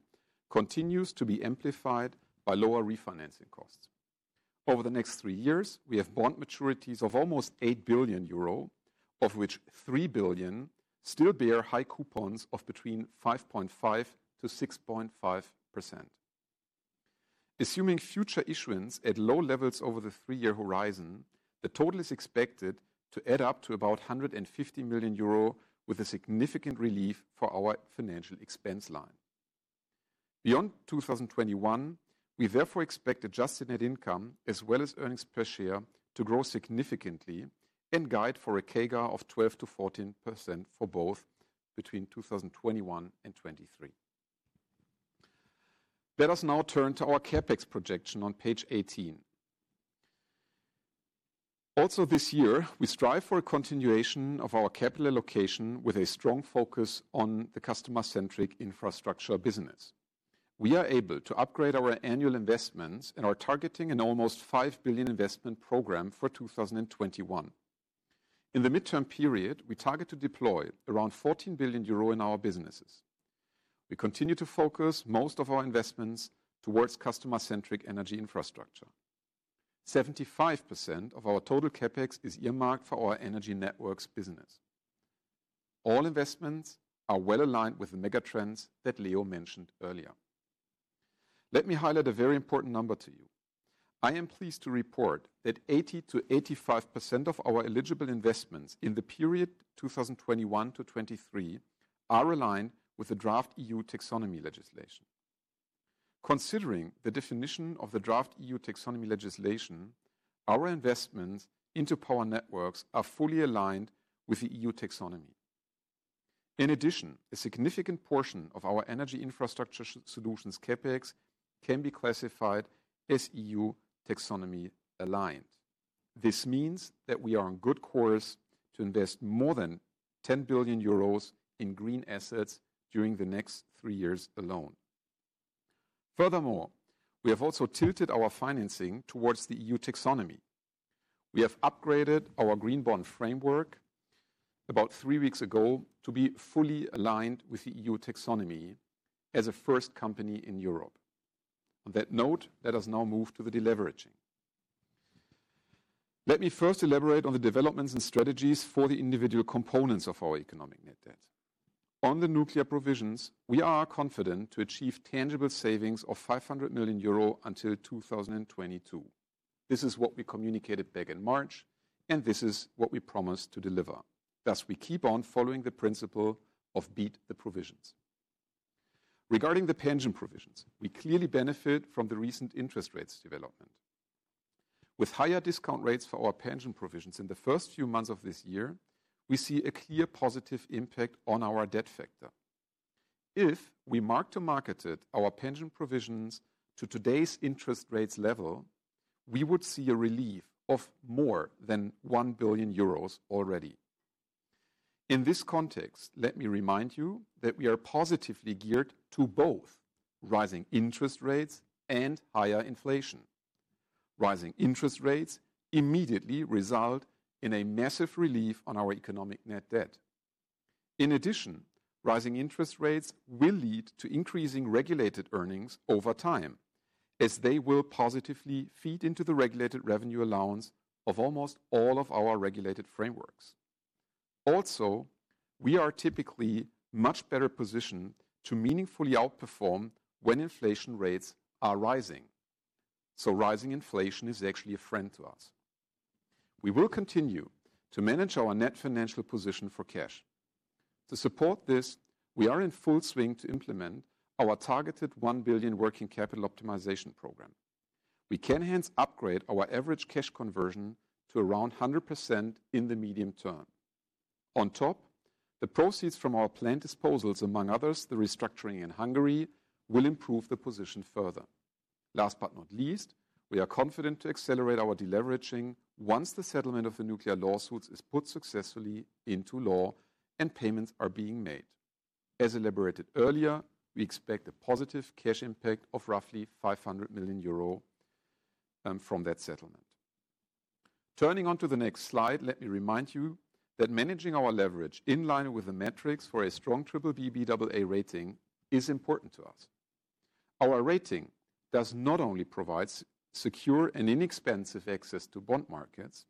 continues to be amplified by lower refinancing costs. Over the next three years, we have bond maturities of almost 8 billion euro, of which 3 billion still bear high coupons of between 5.5%-6.5%. Assuming future issuance at low levels over the three-year horizon, the total is expected to add up to about 150 million euro, with a significant relief for our financial expense line. Beyond 2021, we therefore expect adjusted net income as well as earnings per share to grow significantly and guide for a CAGR of 12%-14% for both between 2021 and 2023. Let us now turn to our CapEx projection on page 18. Also, this year, we strive for a continuation of our capital allocation with a strong focus on the customer-centric infrastructure business. We are able to upgrade our annual investments and are targeting an almost 5 billion investment program for 2021. In the midterm period, we target to deploy around 14 billion euro in our businesses. We continue to focus most of our investments towards customer-centric energy infrastructure. 75% of our total CapEx is earmarked for our energy networks business. All investments are well-aligned with the megatrends that Leo mentioned earlier. Let me highlight a very important number to you. I am pleased to report that 80%-85% of our eligible investments in the period 2021 to 2023 are aligned with the draft EU taxonomy legislation. Considering the definition of the draft EU taxonomy legislation, our investments into power networks are fully aligned with the EU taxonomy. In addition, a significant portion of our Energy Infrastructure Solutions CapEx can be classified as EU taxonomy aligned. This means that we are on good course to invest more than 10 billion euros in green assets during the next three years alone. Furthermore, we have also tilted our financing towards the EU taxonomy. We have upgraded our Green Bond Framework about three weeks ago to be fully aligned with the EU taxonomy as a first company in Europe. On that note, let us now move to the deleveraging. Let me first elaborate on the developments and strategies for the individual components of our economic net debt. On the nuclear provisions, we are confident to achieve tangible savings of 500 million euro until 2022. This is what we communicated back in March, and this is what we promised to deliver. Thus, we keep on following the principle of beat the provisions. Regarding the pension provisions, we clearly benefit from the recent interest rates development. With higher discount rates for our pension provisions in the first few months of this year, we see a clear positive impact on our debt factor. If we mark-to-marketed our pension provisions to today's interest rates level, we would see a relief of more than 1 billion euros already. In this context, let me remind you that we are positively geared to both rising interest rates and higher inflation. Rising interest rates immediately result in a massive relief on our economic net debt. In addition, rising interest rates will lead to increasing regulated earnings over time, as they will positively feed into the regulated revenue allowance of almost all of our regulated frameworks. Also, we are typically much better positioned to meaningfully outperform when inflation rates are rising, so rising inflation is actually a friend to us. We will continue to manage our net financial position for cash. To support this, we are in full swing to implement our targeted $1 billion working capital optimization program. We can hence upgrade our average cash conversion to around 100% in the medium term. On top, the proceeds from our planned disposals, among others, the restructuring in Hungary, will improve the position further. Last but not least, we are confident to accelerate our deleveraging once the settlement of the nuclear lawsuits is put successfully into law and payments are being made. As elaborated earlier, we expect a positive cash impact of roughly 500 million euro from that settlement. Turning onto the next slide, let me remind you that managing our leverage in line with the metrics for a strong BBB/Baa rating is important to us. Our rating does not only provide secure and inexpensive access to bond markets,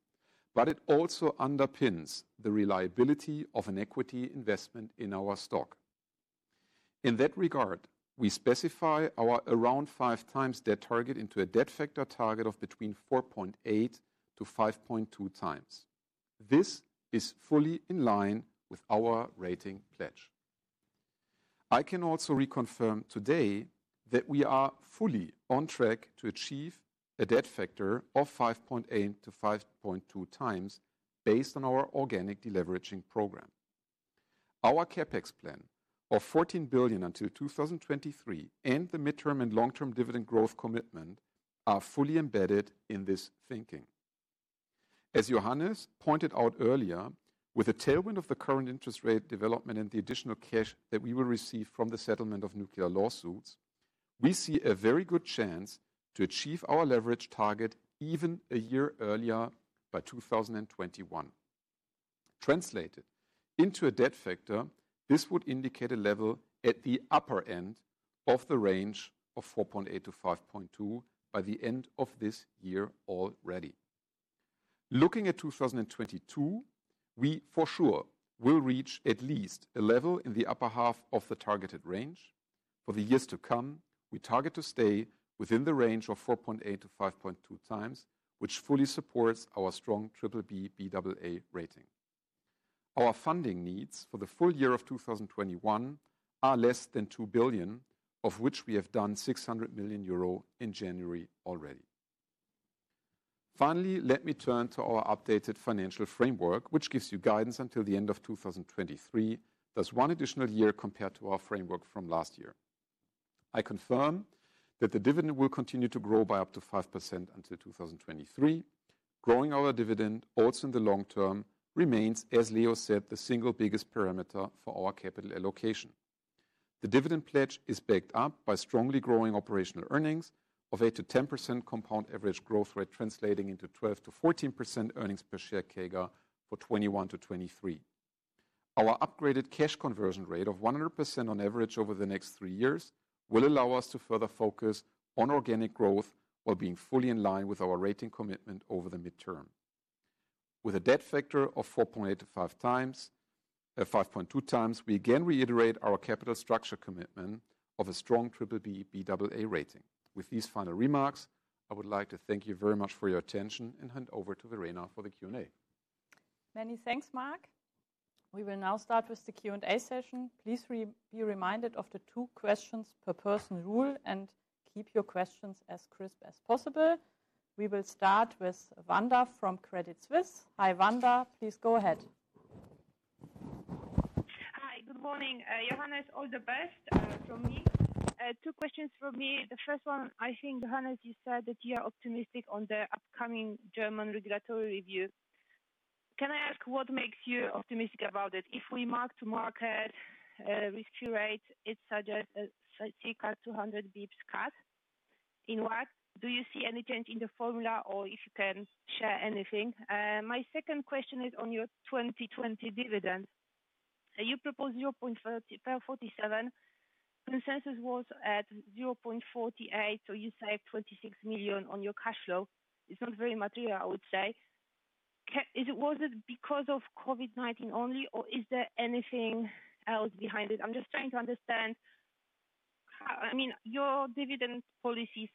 but it also underpins the reliability of an equity investment in our stock. In that regard, we specify our around five times debt target into a debt factor target of between 4.8-5.2x. This is fully in line with our rating pledge. I can also reconfirm today that we are fully on track to achieve a debt factor of 5.8-5.2x based on our organic deleveraging program. Our CapEx plan of 14 billion until 2023 and the midterm and long-term dividend growth commitment are fully embedded in this thinking. As Johannes pointed out earlier, with the tailwind of the current interest rate development and the additional cash that we will receive from the settlement of nuclear lawsuits, we see a very good chance to achieve our leverage target even a year earlier by 2021. Translated into a debt factor, this would indicate a level at the upper end of the range of 4.8-5.2 by the end of this year already. Looking at 2022, we for sure will reach at least a level in the upper half of the targeted range. For the years to come, we target to stay within the range of 4.8-5.2x, which fully supports our strong BBB/Baa rating. Our funding needs for the full-year of 2021 are less than 2 billion, of which we have done 600 million euro in January already. Finally, let me turn to our updated financial framework, which gives you guidance until the end of 2023. That's one additional year compared to our framework from last year. I confirm that the dividend will continue to grow by up to 5% until 2023. Growing our dividend, also in the long term, remains, as Leo said, the single biggest parameter for our capital allocation. The dividend pledge is backed up by strongly growing operational earnings of 8%-10% compound average growth rate, translating into 12%-14% earnings per share CAGR for 2021-2023. Our upgraded cash conversion rate of 100% on average over the next three years will allow us to further focus on organic growth, while being fully in line with our rating commitment over the midterm. With a debt factor of 4.8-5.2x, we again reiterate our capital structure commitment of a strong BBB, Baa rating. With these final remarks, I would like to thank you very much for your attention and hand over to Verena for the Q&A. Many thanks, Marc. We will now start with the Q&A session. Please be reminded of the two questions per person rule and keep your questions as crisp as possible. We will start with Wanda from Credit Suisse. Hi, Wanda, please go ahead. Hi. Good morning. Johannes, all the best from me. Two questions from me. The first one, I think, Johannes, you said that you are optimistic on the upcoming German regulatory review. Can I ask what makes you optimistic about it? If we mark to market risk-free rate, it suggests a circa 200 basis points cut. In what do you see any change in the formula, or if you can share anything? My second question is on your 2020 dividend. You propose 0.47. Consensus was at 0.48, you save 26 million on your cash flow. It's not very material, I would say. Was it because of COVID-19 only, or is there anything else behind it? I'm just trying to understand. Your dividend policy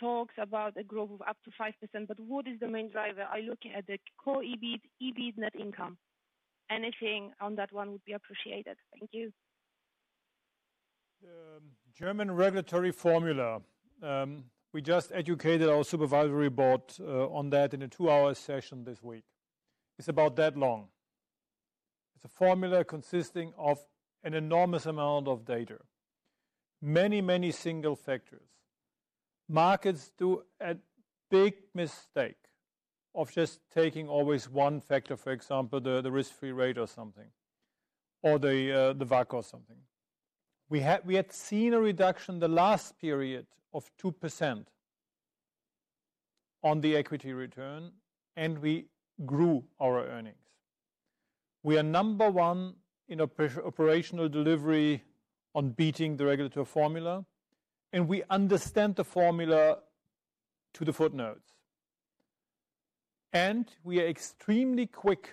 talks about a growth of up to 5%. What is the main driver? I look at the core EBIT net income. Anything on that one would be appreciated. Thank you. German regulatory formula. We just educated our supervisory board on that in a two-hour session this week. It is about that long. It is a formula consisting of an enormous amount of data. Many, many single factors. Markets do a big mistake of just taking always one factor, for example, the risk-free rate or something, or the WACC or something. We had seen a reduction the last period of 2% on the equity return, and we grew our earnings. We are number one in operational delivery on beating the regulatory formula, and we understand the formula to the footnotes. We are extremely quick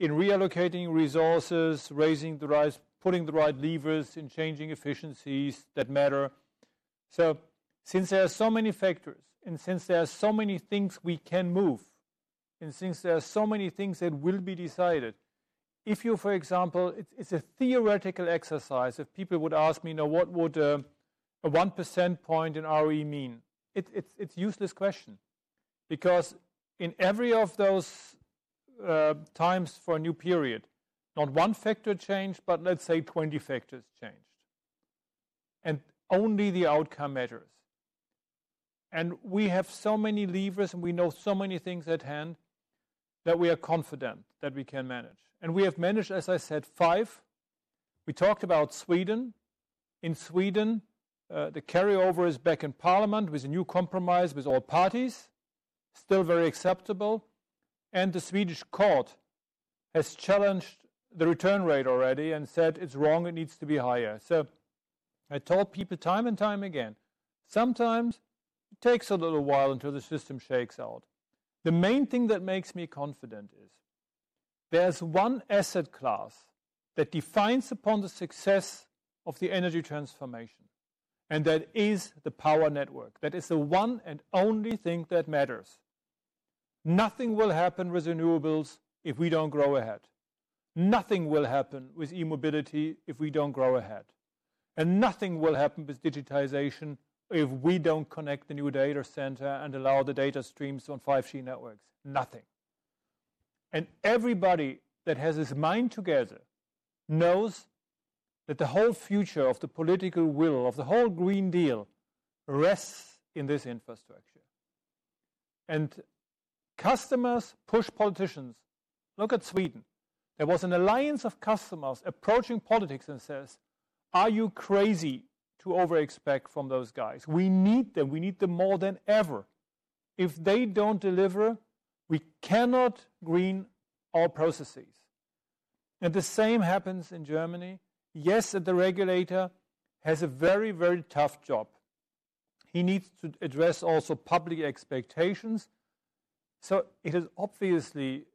in reallocating resources, raising the rise, putting the right levers and changing efficiencies that matter. Since there are so many factors, and since there are so many things we can move, and since there are so many things that will be decided. If you, for example, it's a theoretical exercise. If people would ask me now what would a 1% point in ROE mean? It's useless question. In every of those times for a new period, not one factor changed, but let's say 20 factors changed. Only the outcome measures. We have so many levers, and we know so many things at hand that we are confident that we can manage. We have managed, as I said, five. We talked about Sweden. In Sweden, the carryover is back in parliament with a new compromise with all parties. Still very acceptable. The Swedish court has challenged the return rate already and said it's wrong, it needs to be higher. I told people time and time again, sometimes it takes a little while until the system shakes out. The main thing that makes me confident is there's one asset class that defines upon the success of the energy transformation, and that is the power network. That is the one and only thing that matters. Nothing will happen with renewables if we don't grow ahead. Nothing will happen with e-mobility if we don't grow ahead. Nothing will happen with digitization if we don't connect the new data center and allow the data streams on 5G networks. Nothing. Everybody that has his mind together knows that the whole future of the political will, of the whole Green Deal rests in this infrastructure. Customers push politicians. Look at Sweden. There was an alliance of customers approaching politics and says, "Are you crazy to overexpect from those guys?" We need them. We need them more than ever. If they don't deliver, we cannot green our processes. The same happens in Germany. Yes, the regulator has a very, very tough job. He needs to address also public expectations. It is obviously,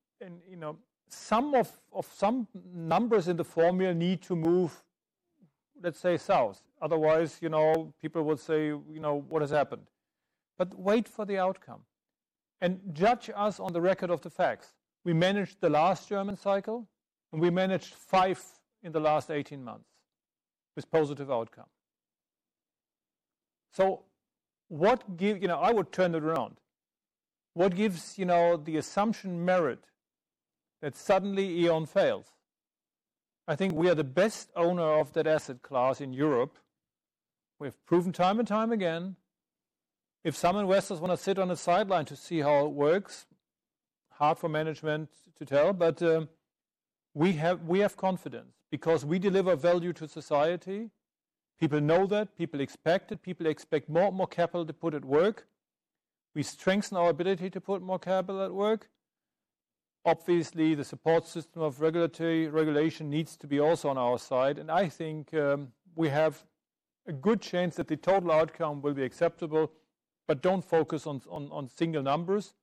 some numbers in the formula need to move. Let's say south. Otherwise, people will say, "What has happened?" Wait for the outcome and judge us on the record of the facts. We managed the last German cycle, and we managed five in the last 18 months with positive outcome. I would turn it around. What gives the assumption merit that suddenly E.ON fails? I think we are the best owner of that asset class in Europe. We've proven time and time again. If some investors want to sit on the sideline to see how it works, hard for management to tell, but we have confidence because we deliver value to society. People know that. People expect it. People expect more and more capital to put at work. We strengthen our ability to put more capital at work. Obviously, the support system of regulation needs to be also on our side. I think we have a good chance that the total outcome will be acceptable, but don't focus on single numbers.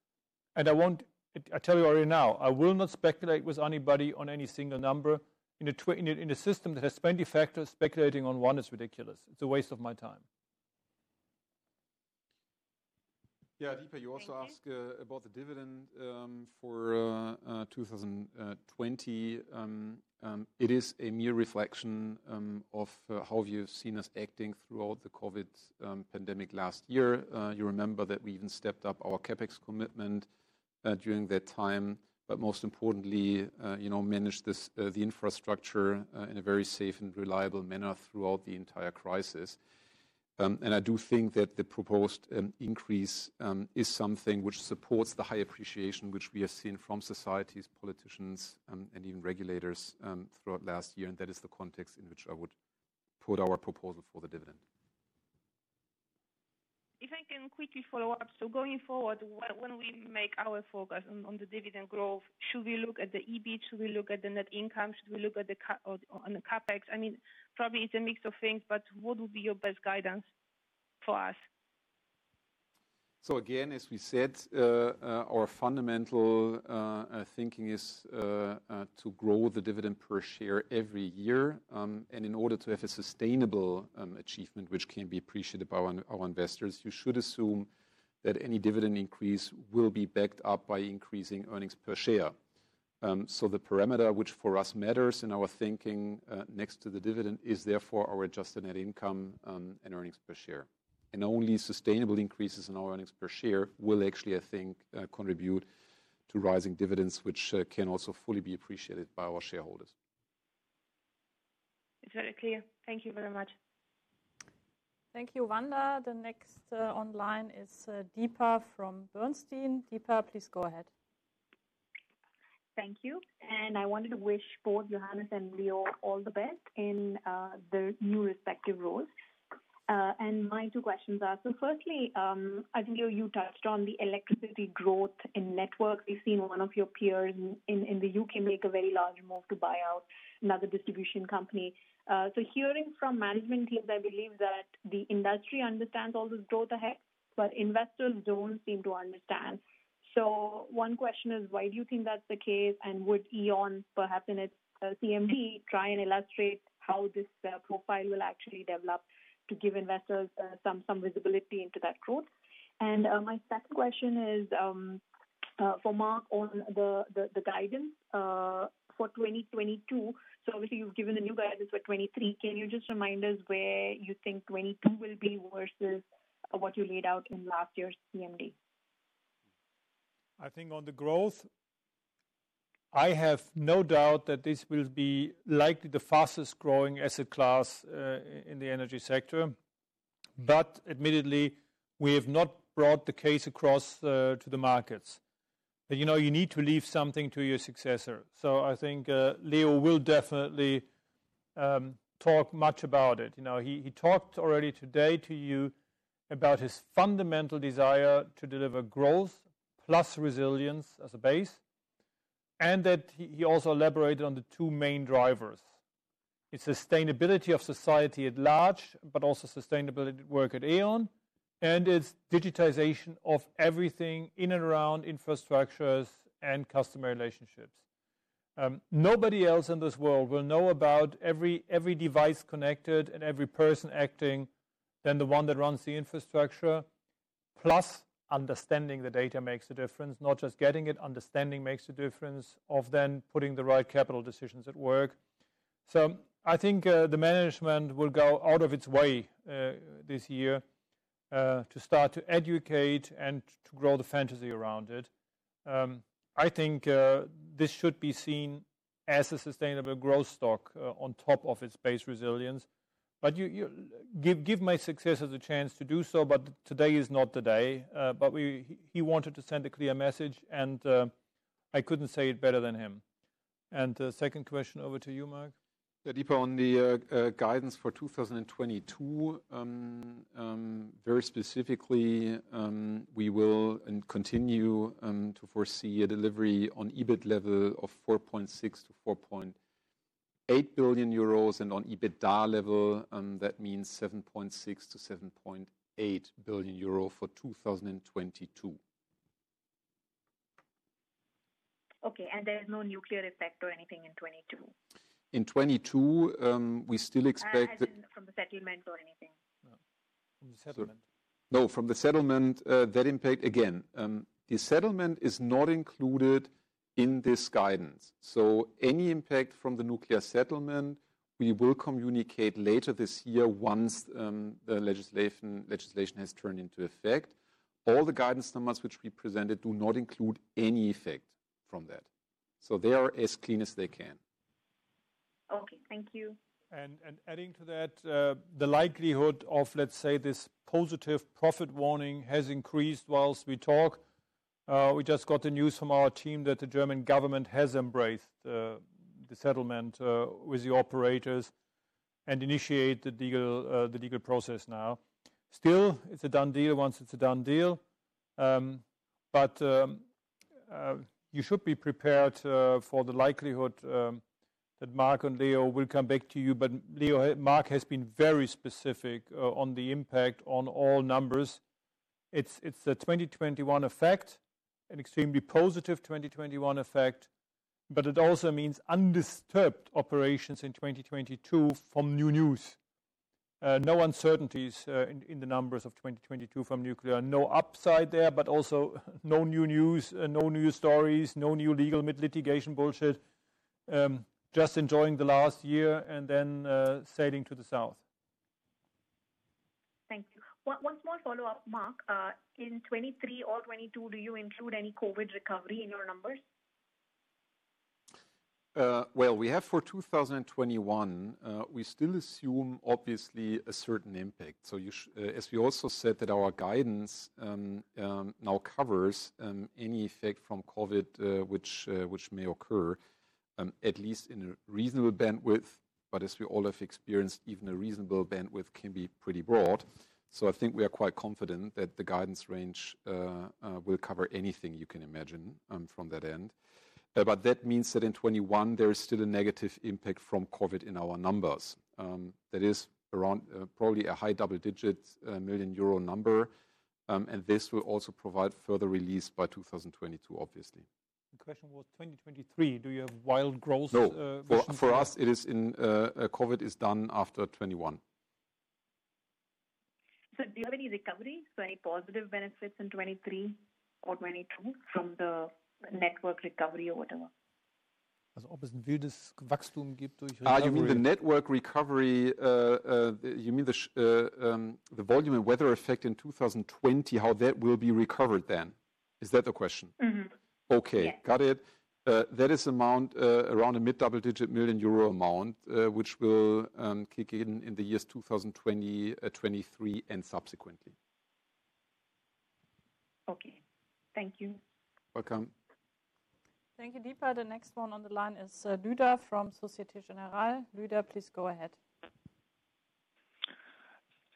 I tell you already now, I will not speculate with anybody on any single number. In a system that has many factors, speculating on one is ridiculous. It's a waste of my time. Yeah, Wanda, you also asked about the dividend for 2022. It is a mere reflection of how you've seen us acting throughout the COVID pandemic last year. You remember that we even stepped up our CapEx commitment during that time, but most importantly managed the infrastructure in a very safe and reliable manner throughout the entire crisis. I do think that the proposed increase is something which supports the high appreciation which we have seen from societies, politicians, and even regulators throughout last year, and that is the context in which I would put our proposal for the dividend. If I can quickly follow up. Going forward, when we make our focus on the dividend growth, should we look at the EBIT? Should we look at the net income? Should we look on the CapEx? Probably it's a mix of things, but what would be your best guidance for us? Again, as we said, our fundamental thinking is to grow the dividend per share every year. In order to have a sustainable achievement which can be appreciated by our investors, you should assume that any dividend increase will be backed up by increasing earnings per share. The parameter which for us matters in our thinking, next to the dividend, is therefore our adjusted net income and earnings per share. Only sustainable increases in our earnings per share will actually, I think, contribute to rising dividends, which can also fully be appreciated by our shareholders. It's very clear. Thank you very much. Thank you, Wanda. The next on line is Deepa from Bernstein. Deepa, please go ahead. Thank you. I wanted to wish both Johannes and Leo all the best in their new respective roles. My two questions are. Firstly, Leo, you touched on the electricity growth in networks. We've seen one of your peers in the U.K. make a very large move to buy out another distribution company. Hearing from management teams, I believe that the industry understands all this growth ahead. Investors don't seem to understand. One question is why do you think that's the case? Would E.ON, perhaps in its CMD, try and illustrate how this profile will actually develop to give investors some visibility into that growth? My second question is for Marc on the guidance for 2022. Obviously, you've given the new guidance for 2023. Can you just remind us where you think 2022 will be versus what you laid out in last year's CMD? I think on the growth, I have no doubt that this will be likely the fastest-growing asset class in the energy sector. Admittedly, we have not brought the case across to the markets. You know, you need to leave something to your successor. I think Leo will definitely talk much about it. He talked already today to you about his fundamental desire to deliver growth plus resilience as a base, and that he also elaborated on the two main drivers. It's sustainability of society at large, but also sustainability work at E.ON, and it's digitization of everything in and around infrastructures and customer relationships. Nobody else in this world will know about every device connected and every person acting than the one that runs the infrastructure. Understanding the data makes a difference, not just getting it. Understanding makes a difference of putting the right capital decisions at work. I think the management will go out of its way this year to start to educate and to grow the fantasy around it. I think this should be seen as a sustainable growth stock on top of its base resilience. Give my successors a chance to do so, today is not the day. He wanted to send a clear message, I couldn't say it better than him. Second question over to you, Marc. Yeah, Deepa, on the guidance for 2022, very specifically, we will and continue to foresee a delivery on EBIT level of 4.6 billion-4.8 billion euros and on EBITDA level, that means 7.6 billion-7.8 billion euro for 2022. Okay, there's no nuclear effect or anything in 2022? In 2022, we still expect. From the settlement or anything? No. From the settlement. No, from the settlement, that impact, again, the settlement is not included in this guidance. Any impact from the nuclear settlement, we will communicate later this year once the legislation has turned into effect. All the guidance numbers which we presented do not include any effect from that. They are as clean as they can. Okay, thank you. Adding to that, the likelihood of, let's say, this positive profit warning has increased while we talk. We just got the news from our team that the German government has embraced the settlement with the operators and initiated the legal process now. It's a done deal once it's a done deal. You should be prepared for the likelihood that Marc and Leo will come back to you. Marc has been very specific on the impact on all numbers. It's a 2021 effect, an extremely positive 2021 effect, but it also means undisturbed operations in 2022 from new news. No uncertainties in the numbers of 2022 from nuclear. No upside there, but also no new news, no new stories, no new legal litigation bullshit. Enjoying the last year and sailing to the south. Thank you. One more follow-up, Marc. In 2023 or 2022, do you include any COVID recovery in your numbers? Well, we have for 2021. We still assume, obviously, a certain impact. As we also said that our guidance now covers any effect from COVID, which may occur, at least in a reasonable bandwidth. As we all have experienced, even a reasonable bandwidth can be pretty broad. I think we are quite confident that the guidance range will cover anything you can imagine from that end. That means that in 2021, there is still a negative impact from COVID in our numbers. That is around probably a high double-digit million EUR number. This will also provide further release by 2022, obviously. The question was 2023. Do you have wild growth? No. For us, COVID is done after 2021. Do you have any recoveries, so any positive benefits in 2023 or 2022 from the network recovery or whatever? You mean the network recovery, you mean the volume and weather effect in 2020, how that will be recovered then? Is that the question? Okay. Yes. Got it. That is around a mid-double digit million EUR amount, which will kick in in the years 2023 and subsequently. Okay. Thank you. Welcome. Thank you, Deepa. The next one on the line is Lueder from Société Générale. Lueder, please go ahead.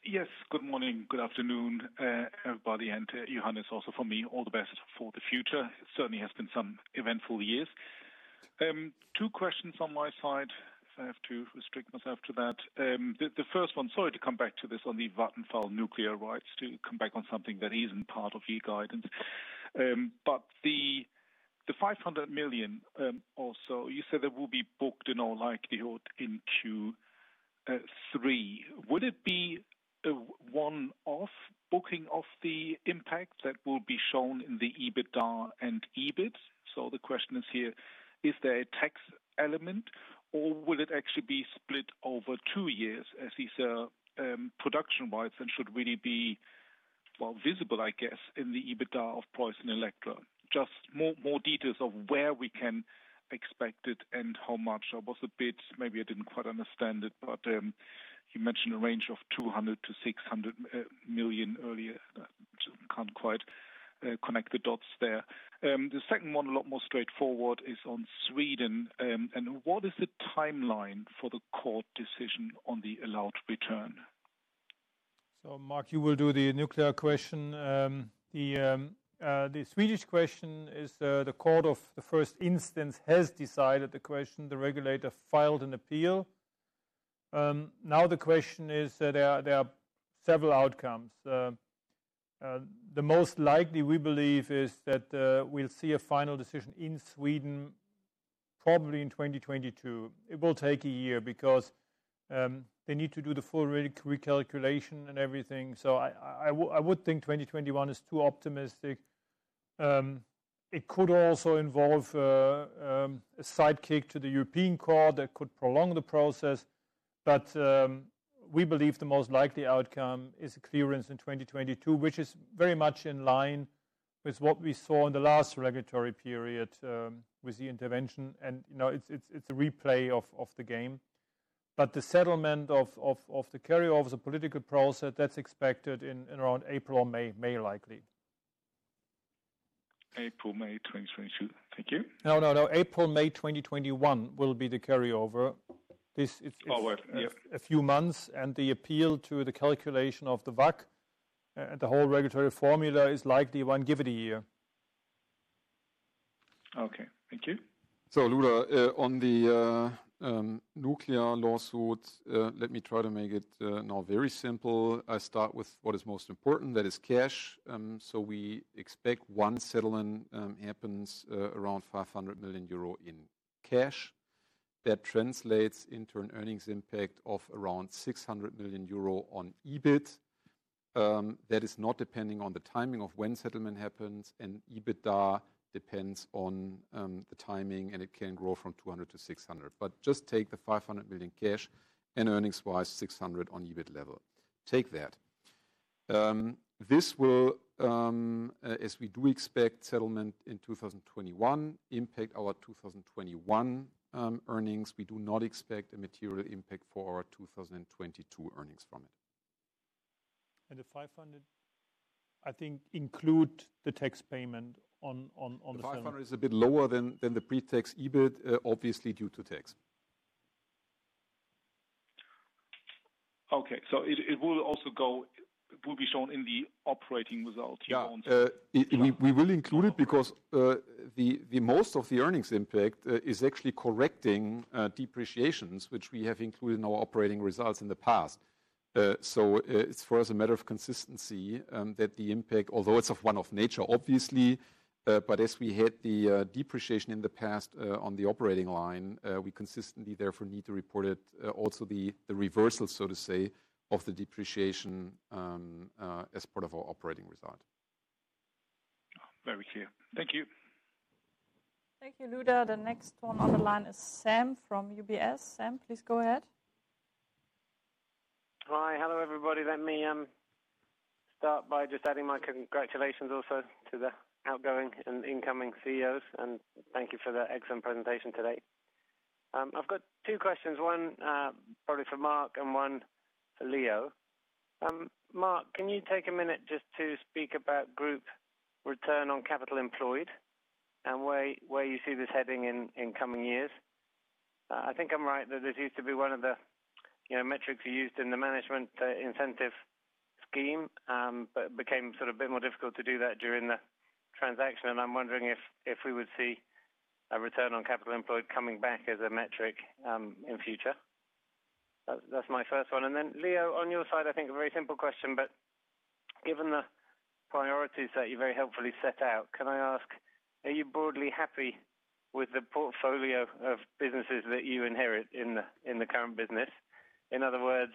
Yes, good morning, good afternoon, everybody. Johannes also, from me, all the best for the future. Certainly has been some eventful years. Two questions on my side, if I have to restrict myself to that. The first one, sorry to come back to this on the Vattenfall nuclear rights, to come back on something that isn't part of your guidance. The 500 million or so, you said that will be booked in all likelihood in Q3. Would it be a one-off booking of the impact that will be shown in the EBITDA and EBIT? The question is here, is there a tax element or will it actually be split over two years as these are production-wide and should really be, well, visible, I guess, in the EBITDA of PreussenElektra? Just more details of where we can expect it and how much. I was a bit, maybe I didn't quite understand it, but you mentioned a range of 200 million-600 million earlier. I just can't quite connect the dots there. The second one, a lot more straightforward, is on Sweden. What is the timeline for the court decision on the allowed return? Marc, you will do the nuclear question. The Swedish question is, the court of the first instance has decided the question. The regulator filed an appeal. The question is, there are several outcomes. The most likely, we believe, is that we'll see a final decision in Sweden probably in 2022. It will take a year because they need to do the full recalculation and everything. I would think 2021 is too optimistic. It could also involve a sidekick to the European Court that could prolong the process. We believe the most likely outcome is a clearance in 2022, which is very much in line with what we saw in the last regulatory period with the intervention, and it's a replay of the game. The settlement of the carryover of the political process, that's expected in around April or May. May, likely. April, May 2022. Thank you. No, April, May 2021 will be the carryover. Oh, right. Yeah a few months, and the appeal to the calculation of the WACC, the whole regulatory formula is likely one. Give it a year. Okay. Thank you. Lueder, on the nuclear lawsuit, let me try to make it now very simple. I start with what is most important, that is cash. We expect one settlement happens around 500 million euro in cash. That translates into an earnings impact of around 600 million euro on EBIT. That is not depending on the timing of when settlement happens, and EBITDA depends on the timing, and it can grow from 200 to 600. Just take the 500 million cash and earnings-wise, 600 on EBIT level. Take that. This will, as we do expect settlement in 2021, impact our 2021 earnings. We do not expect a material impact for our 2022 earnings from it. The 500, I think, include the tax payment on the settlement. 500 is a bit lower than the pre-tax EBIT, obviously due to tax. Okay. It will be shown in the operating results. Yeah. We will include it because most of the earnings impact is actually correcting depreciations, which we have included in our operating results in the past. It's for us a matter of consistency, that the impact, although it's of one-off nature, obviously, but as we hit the depreciation in the past on the operating line, we consistently therefore need to report it. Also, the reversal, so to say, of the depreciation as part of our operating result. Very clear. Thank you. Thank you, Lueder. The next one on the line is Sam from UBS. Sam, please go ahead. Hi. Hello, everybody. Let me start by just adding my congratulations also to the outgoing and incoming CEOs, and thank you for the excellent presentation today. I've got two questions, one probably for Marc and one for Leo. Marc, can you take a minute just to speak about group return on capital employed and where you see this heading in coming years? I think I'm right that this used to be one of the metrics you used in the management incentive scheme, but became sort of a bit more difficult to do that during the transaction, and I'm wondering if we would see a return on capital employed coming back as a metric in future. That's my first one. Leo, on your side, I think a very simple question, but given the priorities that you very helpfully set out, can I ask, are you broadly happy with the portfolio of businesses that you inherit in the current business? In other words,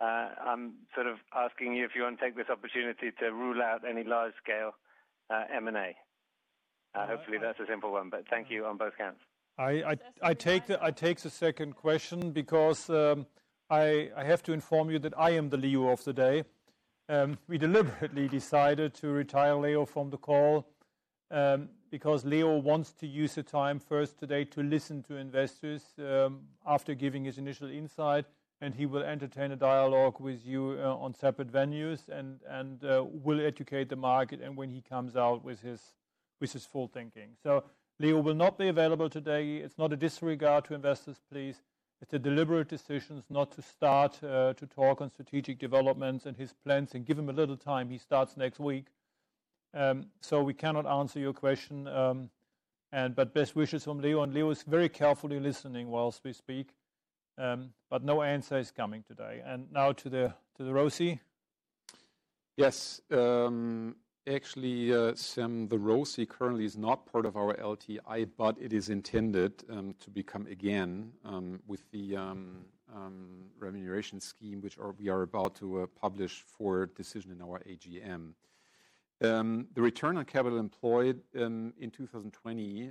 I'm sort of asking you if you want to take this opportunity to rule out any large-scale M&A. Hopefully, that's a simple one, but thank you on both counts. I take the second question because I have to inform you that I am the Leo of the day. We deliberately decided to retire Leo from the call. Leo wants to use the time first today to listen to investors after giving his initial insight, and he will entertain a dialogue with you on separate venues and will educate the market and when he comes out with his full thinking. Leo will not be available today. It is not a disregard to investors, please. It is a deliberate decision not to start to talk on strategic developments and his plans and give him a little time. He starts next week. We cannot answer your question. Best wishes from Leo, and Leo is very carefully listening whilst we speak. No answer is coming today. Now to the ROCE. Yes. Actually, Sam, the ROCE currently is not part of our LTI, but it is intended to become again with the remuneration scheme, which we are about to publish for decision in our AGM. The return on capital employed in 2020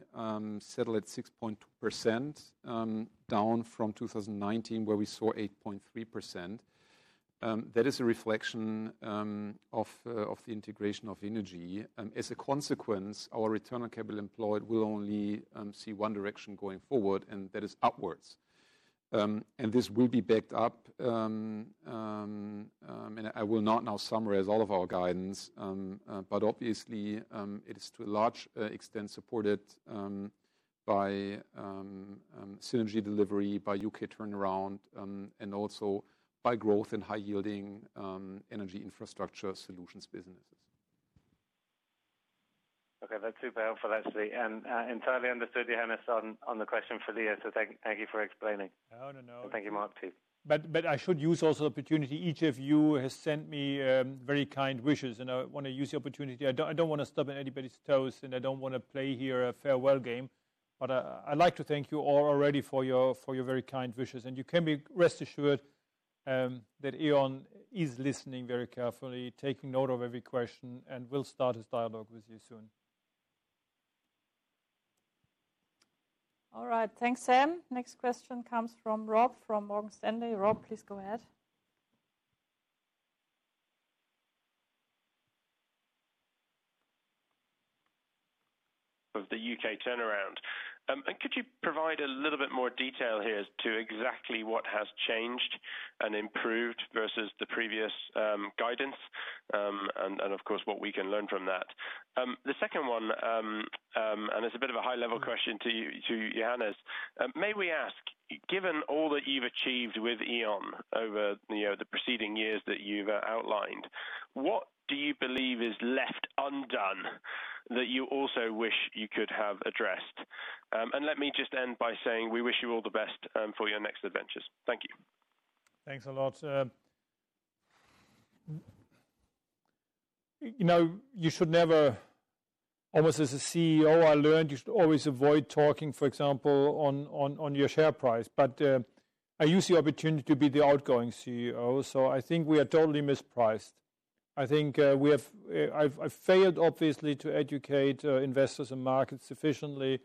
settled at 6.2%, down from 2019, where we saw 8.3%. That is a reflection of the integration of innogy. As a consequence, our return on capital employed will only see one direction going forward, and that is upwards. This will be backed up, I will not now summarize all of our guidance, obviously, it is to a large extent supported by synergy delivery, by U.K. turnaround, and also by growth in high-yielding Energy Infrastructure Solutions businesses. Okay. That's super helpful, actually, and entirely understood, Johannes, on the question for Leo, so thank you for explaining. Oh, no. Thank you, Marc, too. I should use also the opportunity. Each of you has sent me very kind wishes, and I want to use the opportunity. I don't want to step on anybody's toes, and I don't want to play here a farewell game. I'd like to thank you all already for your very kind wishes, and you can rest assured that E.ON is listening very carefully, taking note of every question, and will start his dialogue with you soon. All right. Thanks, Sam. Next question comes from Rob from Morgan Stanley. Rob, please go ahead. Of the U.K. turnaround. Could you provide a little bit more detail here as to exactly what has changed and improved versus the previous guidance, and of course, what we can learn from that? The second one, it's a bit of a high-level question to you, Johannes. May we ask, given all that you've achieved with E.ON over the preceding years that you've outlined, what do you believe is left undone that you also wish you could have addressed? Let me just end by saying we wish you all the best for your next adventures. Thank you. Thanks a lot. You should never, almost as a CEO, I learned you should always avoid talking, for example, on your share price. I use the opportunity to be the outgoing CEO. I think we are totally mispriced. I think I've failed, obviously, to educate investors and markets sufficiently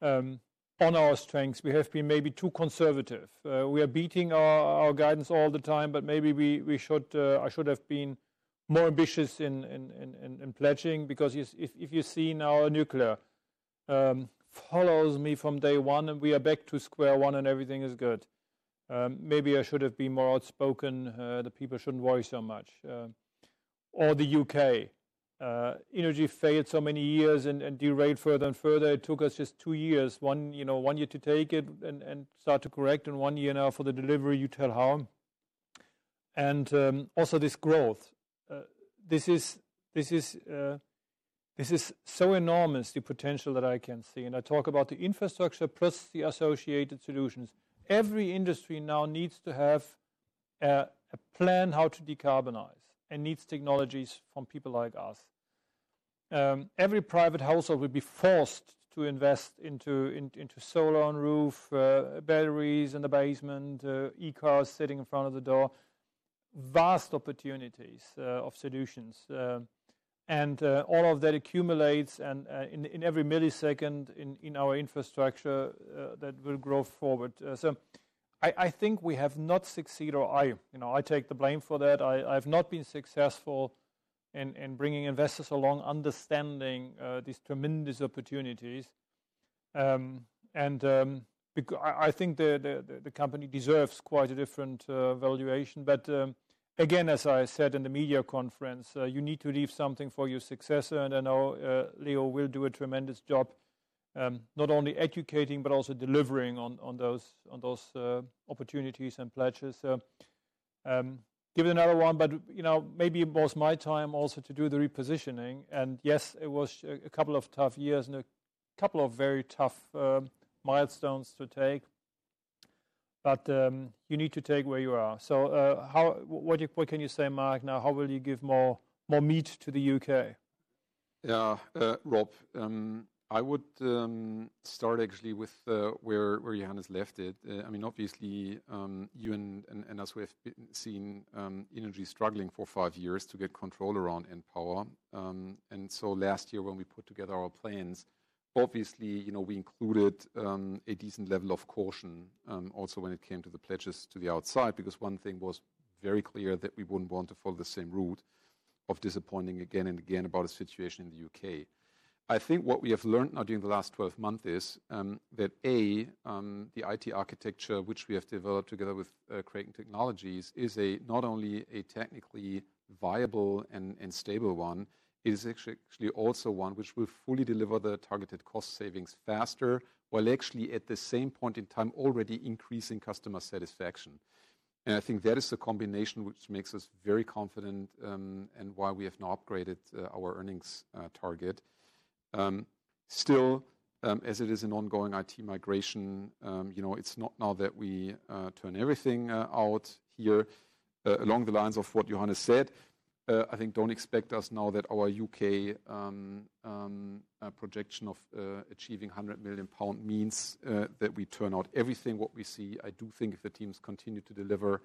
on our strengths. We have been maybe too conservative. We are beating our guidance all the time. Maybe I should have been more ambitious in pledging. If you see now nuclear, follows me from day one, and we are back to square one, and everything is good. Maybe I should have been more outspoken. The people shouldn't worry so much. The U.K. innogy failed so many years and derails further and further. It took us just two years, one year to take it and start to correct, and one year now for the delivery. Also this growth. This is so enormous, the potential that I can see, and I talk about the infrastructure plus the associated solutions. Every industry now needs to have a plan how to decarbonize and needs technologies from people like us. Every private household will be forced to invest into solar on roof, batteries in the basement, e-cars sitting in front of the door. Vast opportunities of solutions. All of that accumulates in every millisecond in our infrastructure that will grow forward. I think we have not succeeded, or I take the blame for that. I've not been successful in bringing investors along, understanding these tremendous opportunities. I think the company deserves quite a different valuation. Again, as I said in the media conference, you need to leave something for your successor, and I know Leo will do a tremendous job, not only educating but also delivering on those opportunities and pledges. Give it another one, maybe it was my time also to do the repositioning. Yes, it was a couple of tough years and a couple of very tough milestones to take, you need to take where you are. What can you say, Marc, now? How will you give more meat to the U.K.? Rob, I would start actually with where Johannes left it. Obviously, you and us, we have seen innogy struggling for five years to get control around npower. Last year when we put together our plans, obviously we included a decent level of caution also when it came to the pledges to the outside, because one thing was very clear that we wouldn't want to follow the same route of disappointing again and again about a situation in the U.K. I think what we have learned now during the last 12 months is that, A, the IT architecture which we have developed together with Kraken Technologies is not only a technically viable and stable one, it is actually also one which will fully deliver the targeted cost savings faster, while actually at the same point in time already increasing customer satisfaction. I think that is the combination which makes us very confident and why we have now upgraded our earnings target. Still, as it is an ongoing IT migration, it is not now that we turn everything out here. Along the lines of what Johannes said, I think do not expect us now that our U.K. projection of achieving 100 million pound means that we turn out everything what we see. I do think if the teams continue to deliver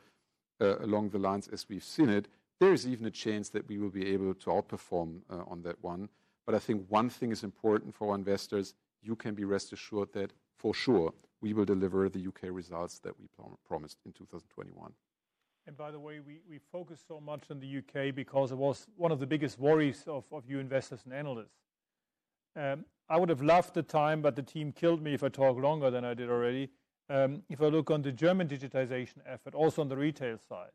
along the lines as we have seen it, there is even a chance that we will be able to outperform on that one. I think one thing is important for investors, you can be rest assured that for sure we will deliver the U.K. results that we promised in 2021. By the way, we focus so much on the U.K. because it was one of the biggest worries of you investors and analysts. I would have loved the time, but the team killed me if I talk longer than I did already. If I look on the German digitization effort, also on the retail side,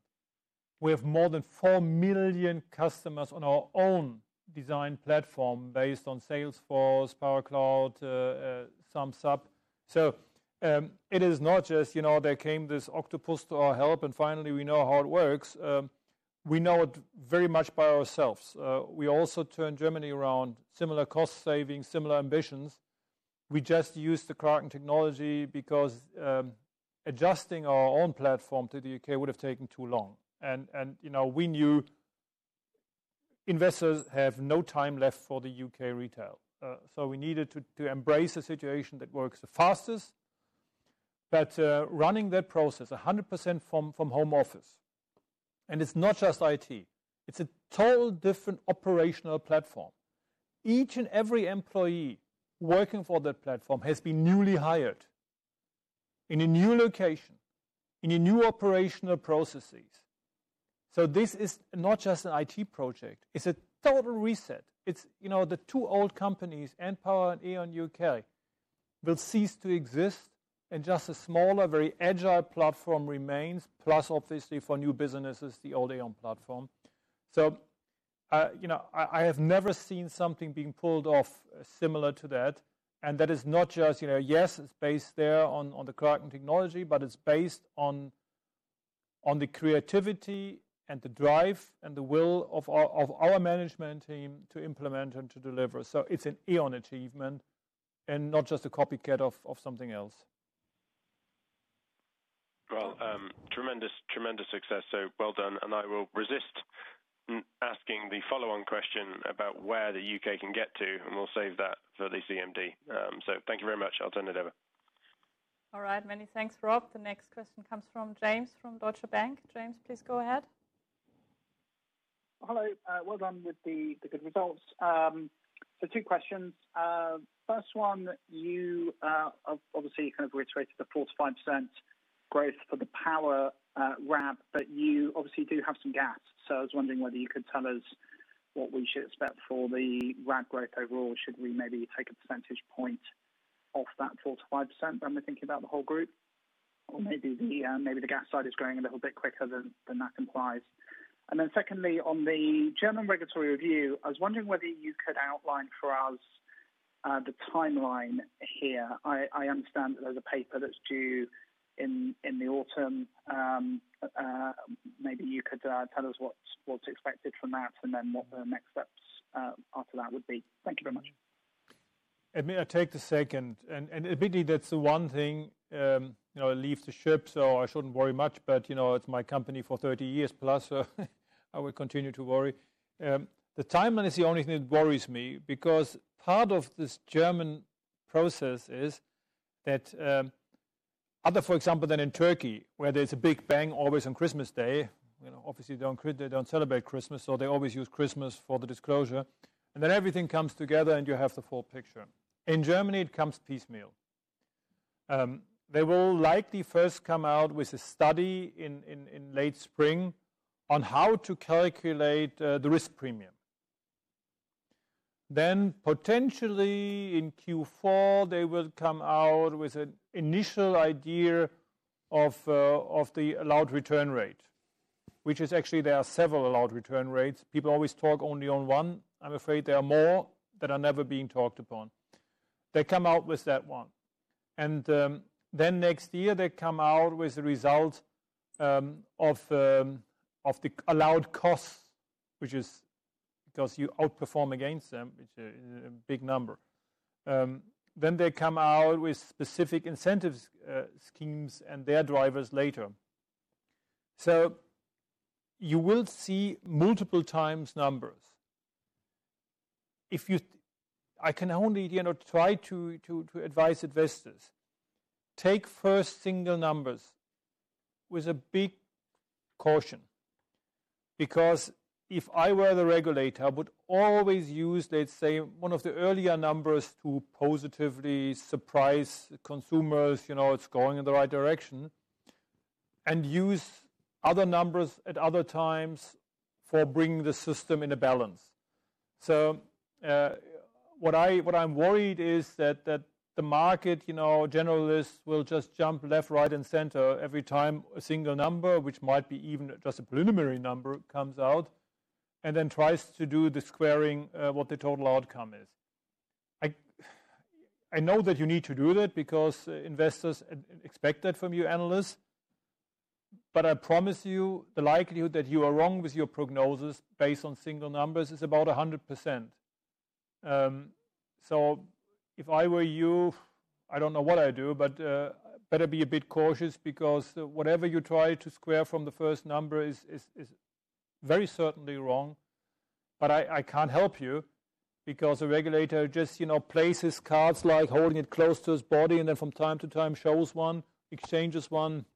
we have more than four million customers on our own design platform based on Salesforce, powercloud, Thumbs Up. It is not just there came this Octopus to our help, and finally, we know how it works. We know it very much by ourselves. We also turned Germany around, similar cost savings, similar ambitions. We just used the Kraken technology because adjusting our own platform to the U.K. would have taken too long. We knew investors have no time left for the U.K. retail. We needed to embrace a situation that works the fastest. Running that process 100% from home office, and it's not just IT, it's a total different operational platform. Each and every employee working for that platform has been newly hired in a new location, in a new operational processes. This is not just an IT project, it's a total reset. The two old companies, npower and E.ON UK, will cease to exist and just a smaller, very agile platform remains, plus, obviously, for new businesses, the old E.ON platform. I have never seen something being pulled off similar to that. That is not just, yes, it's based there on the current technology, but it's based on the creativity and the drive and the will of our management team to implement and to deliver. It's an E.ON achievement and not just a copycat of something else. Well, tremendous success, well done. I will resist asking the follow-on question about where the U.K. can get to, and we'll save that for the CMD. Thank you very much. I'll turn it over. All right. Many thanks, Rob. The next question comes from James from Deutsche Bank. James, please go ahead. Hello. Well done with the good results. Two questions. First one, you obviously kind of reiterated the 4%-5% growth for the power RAB, but you obviously do have some gas. I was wondering whether you could tell us what we should expect for the RAB growth overall. Should we maybe take a percentage point off that 4%-5% when we're thinking about the whole group? Maybe the gas side is growing a little bit quicker than that implies. Secondly, on the German regulatory review, I was wondering whether you could outline for us the timeline here. I understand that there's a paper that's due in the autumn. Maybe you could tell us what's expected from that and then what the next steps after that would be. Thank you very much. Admittedly, that's the one thing, I'll leave the ship, so I shouldn't worry much, but it's my company for 30 years plus, so I will continue to worry. The timeline is the only thing that worries me, because part of this German process is that other, for example, than in Turkey, where there's a big bang always on Christmas Day. Obviously, they don't celebrate Christmas, so they always use Christmas for the disclosure. Then everything comes together, and you have the full picture. In Germany, it comes piecemeal. They will likely first come out with a study in late spring on how to calculate the risk premium. Potentially in Q4, they will come out with an initial idea of the allowed return rate, which is actually there are several allowed return rates. People always talk only on one. I'm afraid there are more that are never being talked upon. They come out with that one. Next year, they come out with the result of the allowed costs, which is because you outperform against them, it's a big number. They come out with specific incentive schemes and their drivers later. You will see multiple times numbers. I can only try to advise investors, take first single numbers with a big caution. If I were the regulator, I would always use, let's say, one of the earlier numbers to positively surprise consumers, it's going in the right direction, and use other numbers at other times for bringing the system in a balance. What I'm worried is that the market generalists will just jump left, right, and center every time a single number, which might be even just a preliminary number, comes out, and then tries to do the squaring what the total outcome is. I know that you need to do that because investors expect that from you, analysts. I promise you, the likelihood that you are wrong with your prognosis based on single numbers is about 100%. If I were you, I don't know what I'd do, but better be a bit cautious because whatever you try to square from the first number is very certainly wrong. I can't help you because a regulator just plays his cards like holding it close to his body and then from time to time shows one, exchanges one,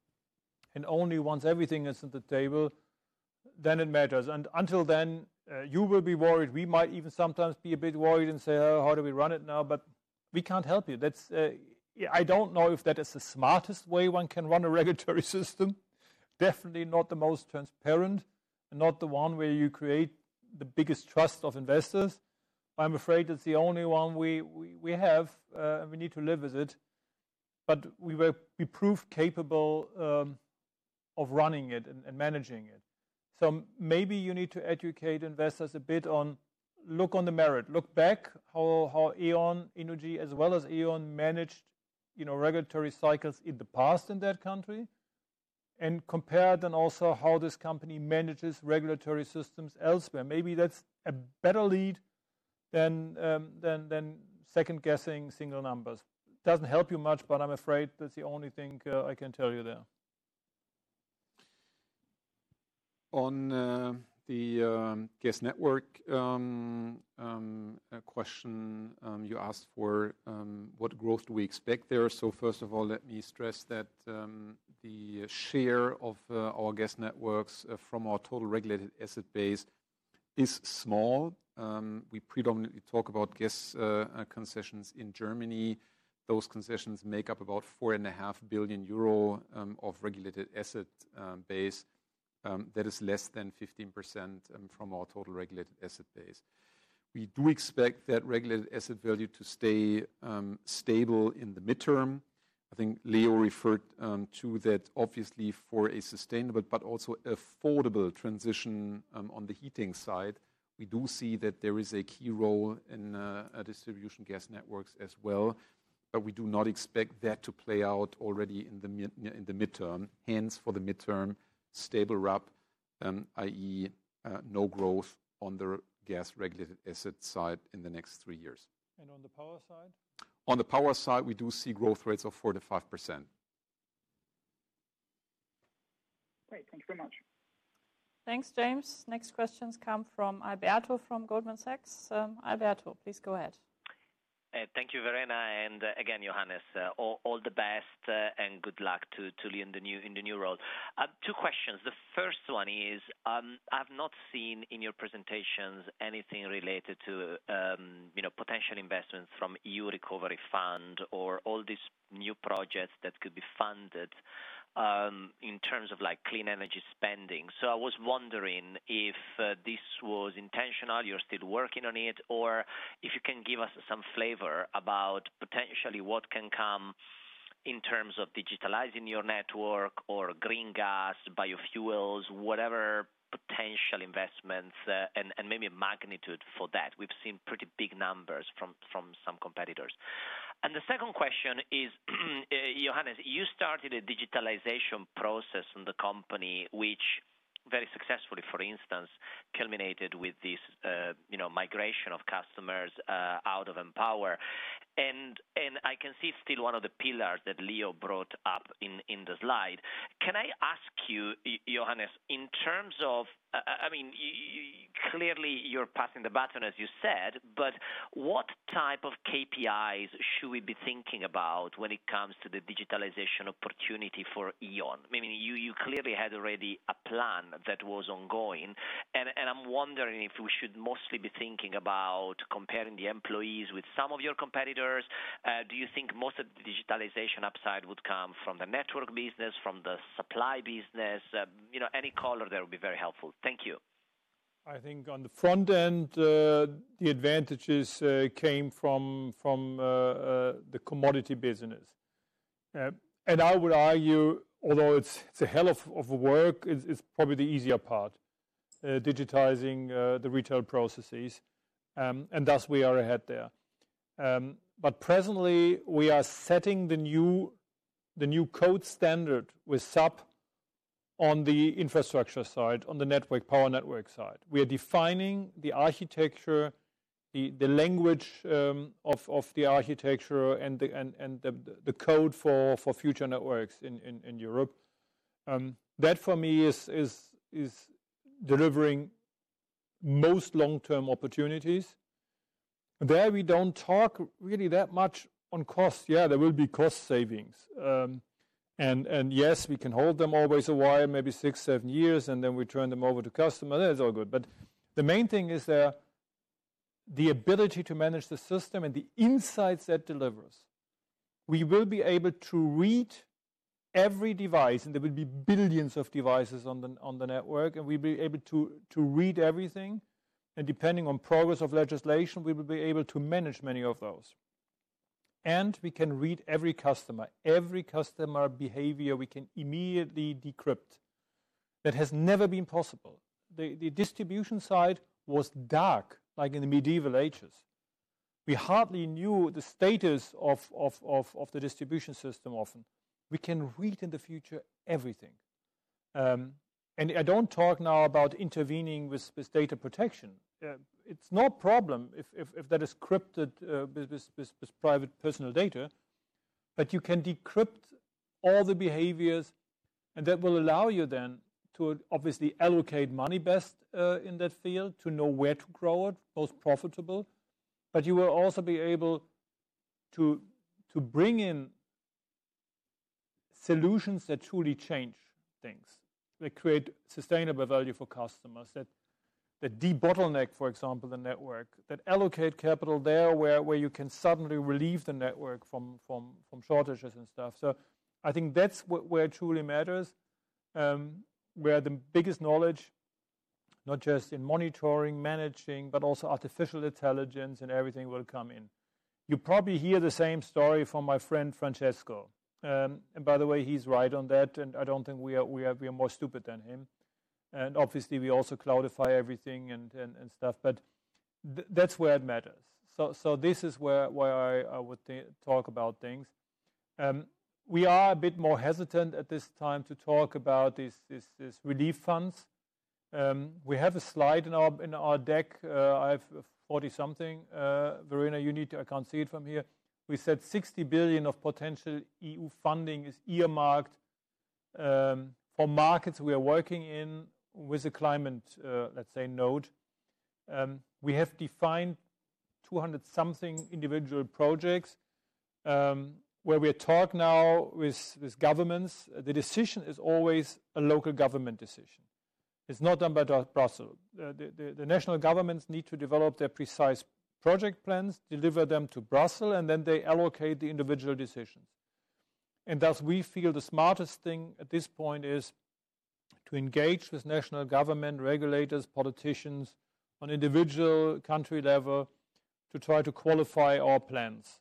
and only once everything is at the table, then it matters. Until then, you will be worried. We might even sometimes be a bit worried and say, "Oh, how do we run it now?" We can't help you. I don't know if that is the smartest way one can run a regulatory system. Definitely not the most transparent, and not the one where you create the biggest trust of investors. I'm afraid it's the only one we have, and we need to live with it. We proved capable of running it and managing it. Maybe you need to educate investors a bit on look on the merit. Look back how E.ON Energy as well as E.ON managed regulatory cycles in the past in that country, and compare then also how this company manages regulatory systems elsewhere. Maybe that's a better lead than second-guessing single numbers. Doesn't help you much, but I'm afraid that's the only thing I can tell you there. On the gas network question, you asked for what growth do we expect there. First of all, let me stress that the share of our gas networks from our total regulated asset base is small. We predominantly talk about gas concessions in Germany. Those concessions make up about 4.5 billion euro of regulated asset base. That is less than 15% from our total regulated asset base. We do expect that regulated asset value to stay stable in the midterm. I think Leo referred to that, obviously for a sustainable but also affordable transition on the heating side. We do see that there is a key role in distribution gas networks as well, but we do not expect that to play out already in the midterm. For the midterm, stable RAB, i.e., no growth on the gas-regulated asset side in the next three years. On the power side? On the power side, we do see growth rates of 4%-5%. Great. Thank you very much. Thanks, James. Next questions come from Alberto from Goldman Sachs. Alberto, please go ahead. Thank you, Verena, and again, Johannes, all the best and good luck to Leo in the new role. Two questions. The first one is, I've not seen in your presentations anything related to potential investments from EU recovery fund or all these new projects that could be funded, in terms of clean energy spending. I was wondering if this was intentional, you're still working on it, or if you can give us some flavor about potentially what can come in terms of digitalizing your network or green gas, biofuels, whatever potential investments, and maybe a magnitude for that. We've seen pretty big numbers from some competitors. The second question is, Johannes, you started a digitalization process in the company, which very successfully, for instance, culminated with this migration of customers out of npower. I can see still one of the pillars that Leo brought up in the slide. Can I ask you, Johannes, in terms of clearly you're passing the baton, as you said, but what type of KPIs should we be thinking about when it comes to the digitalization opportunity for E.ON? You clearly had already a plan that was ongoing, and I'm wondering if we should mostly be thinking about comparing the employees with some of your competitors. Do you think most of the digitalization upside would come from the network business, from the supply business? Any color there would be very helpful. Thank you. I think on the front end, the advantages came from the commodity business. I would argue, although it's a hell of work, it's probably the easier part, digitizing the retail processes. Thus we are ahead there. Presently, we are setting the new code standard with SAP on the infrastructure side, on the power network side. We are defining the architecture, the language of the architecture and the code for future networks in Europe. That for me is delivering most long-term opportunities. There we don't talk really that much on cost. Yeah, there will be cost savings. Yes, we can hold them always a while, maybe six, seven years, and then we turn them over to customer. That is all good. The main thing is the ability to manage the system and the insights that delivers. We will be able to read every device, there will be billions of devices on the network, and we'll be able to read everything. Depending on progress of legislation, we will be able to manage many of those. We can read every customer. Every customer behavior, we can immediately decrypt. That has never been possible. The distribution side was dark, like in the medieval ages. We hardly knew the status of the distribution system often. We can read in the future everything. I don't talk now about intervening with data protection. It's no problem if that is crypted, private personal data. You can decrypt all the behaviors and that will allow you then to obviously allocate money best, in that field to know where to grow it most profitable. You will also be able to bring in solutions that truly change things, that create sustainable value for customers, that de-bottleneck, for example, the network, that allocate capital there where you can suddenly relieve the network from shortages and stuff. I think that's where it truly matters, where the biggest knowledge, not just in monitoring, managing, but also artificial intelligence and everything will come in. You probably hear the same story from my friend Francesco. By the way, he's right on that, and I don't think we are more stupid than him. Obviously, we also cloudify everything and stuff, but that's where it matters. This is where I would talk about things. We are a bit more hesitant at this time to talk about these relief funds. We have a slide in our deck. I have 40 something. Verena, you need to, I can't see it from here. We said 60 billion of potential EU funding is earmarked for markets we are working in with a climate, let's say, node. We have defined 200-something individual projects, where we talk now with governments. The decision is always a local government decision. It's not done by Brussels. The national governments need to develop their precise project plans, deliver them to Brussels, then they allocate the individual decisions. Thus we feel the smartest thing at this point is to engage with national government regulators, politicians on individual country level to try to qualify our plans.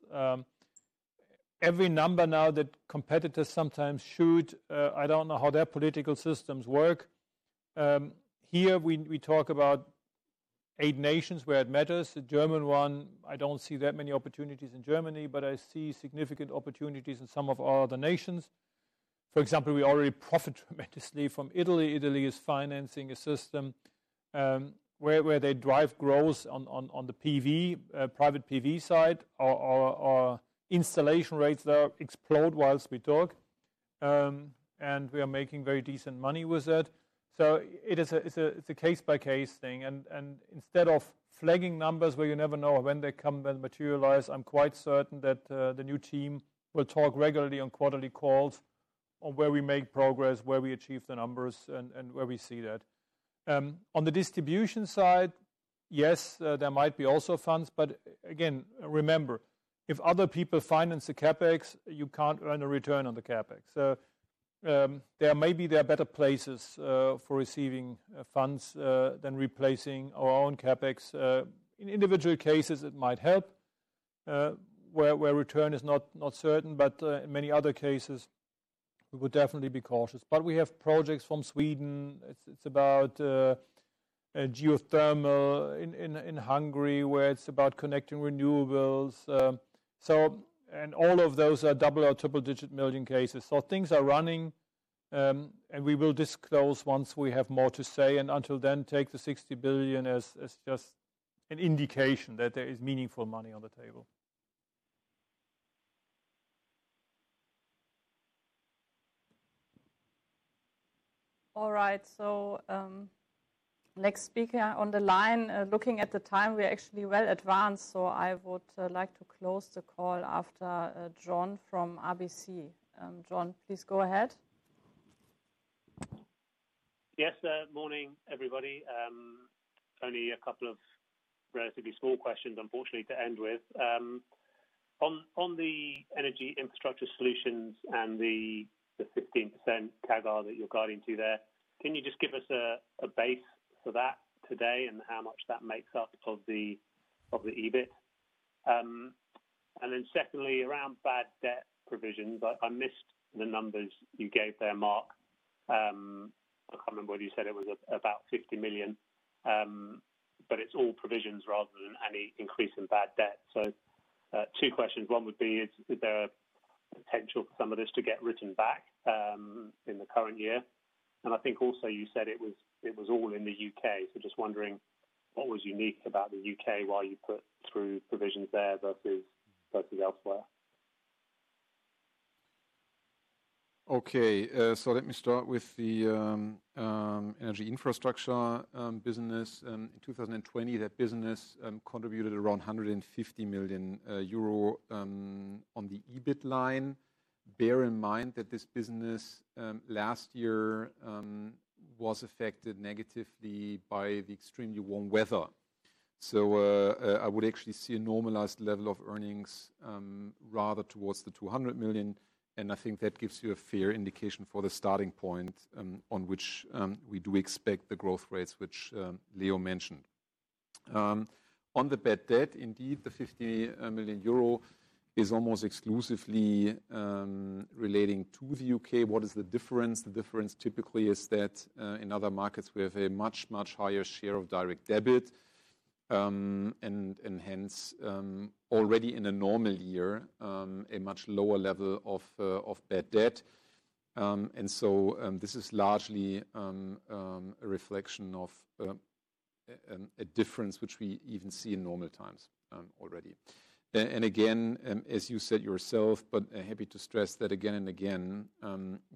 Every number now that competitors sometimes shoot, I don't know how their political systems work. Here we talk about eight nations where it matters. The German one, I don't see that many opportunities in Germany, but I see significant opportunities in some of our other nations. For example, we already profit tremendously from Italy. Italy is financing a system, where they drive growth on the private PV side. Our installation rates there explode while we talk, and we are making very decent money with it. It's a case-by-case thing, and instead of flagging numbers where you never know when they come and materialize, I'm quite certain that the new team will talk regularly on quarterly calls on where we make progress, where we achieve the numbers, and where we see that. On the distribution side, yes, there might be also funds. Again, remember, if other people finance the CapEx, you can't earn a return on the CapEx. Maybe there are better places for receiving funds than replacing our own CapEx. In individual cases, it might help, where return is not certain. In many other cases, we would definitely be cautious. We have projects from Sweden. It's about geothermal in Hungary, where it's about connecting renewables. All of those are double or triple-digit million cases. Things are running, and we will disclose once we have more to say, and until then, take the 60 billion as just an indication that there is meaningful money on the table. All right. Next speaker on the line. Looking at the time, we are actually well advanced, so I would like to close the call after John from RBC. John, please go ahead. Yes. Morning, everybody. Only a couple of relatively small questions, unfortunately, to end with. On the Energy Infrastructure Solutions and the 15% CAGR that you're guiding to there, can you just give us a base for that today and how much that makes up of the EBIT? Secondly, around bad debt provisions, I missed the numbers you gave there, Marc. I can't remember whether you said it was about 50 million, it's all provisions rather than any increase in bad debt. Two questions. One would be, is there a potential for some of this to get written back in the current year? I think also you said it was all in the U.K. Just wondering what was unique about the U.K., why you put through provisions there versus elsewhere? Okay. Let me start with the energy infrastructure business. In 2020, that business contributed around 150 million euro on the EBIT line. Bear in mind that this business last year was affected negatively by the extremely warm weather. I would actually see a normalized level of earnings, rather towards the 200 million, and I think that gives you a fair indication for the starting point on which we do expect the growth rates, which Leo mentioned. On the bad debt, indeed, the 50 million euro is almost exclusively relating to the U.K. What is the difference? The difference typically is that in other markets we have a much, much higher share of direct debit, and hence, already in a normal year, a much lower level of bad debt. This is largely a reflection of a difference which we even see in normal times already. Again, as you said yourself, but happy to stress that again and again,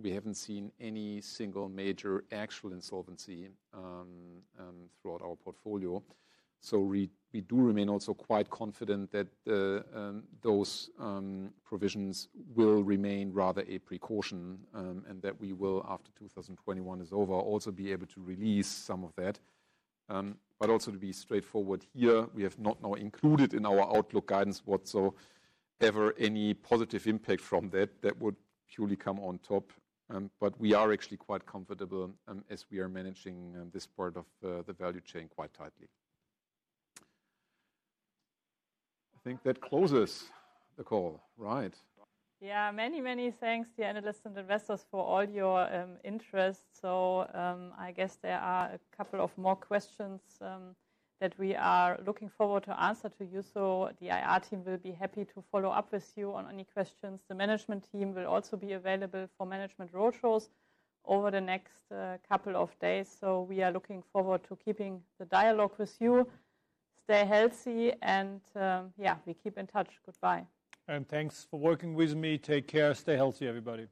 we haven't seen any single major actual insolvency throughout our portfolio. We do remain also quite confident that those provisions will remain rather a precaution, and that we will, after 2021 is over, also be able to release some of that. Also to be straightforward here, we have not now included in our outlook guidance whatsoever any positive impact from that. That would purely come on top. We are actually quite comfortable as we are managing this part of the value chain quite tightly. I think that closes the call, right? Yeah, many thanks to the analysts and investors for all your interest. I guess there are a couple of more questions that we are looking forward to answer to you. The IR team will be happy to follow up with you on any questions. The management team will also be available for management roadshows over the next couple of days. We are looking forward to keeping the dialogue with you. Stay healthy and, yeah, we keep in touch. Goodbye. Thanks for working with me. Take care. Stay healthy, everybody.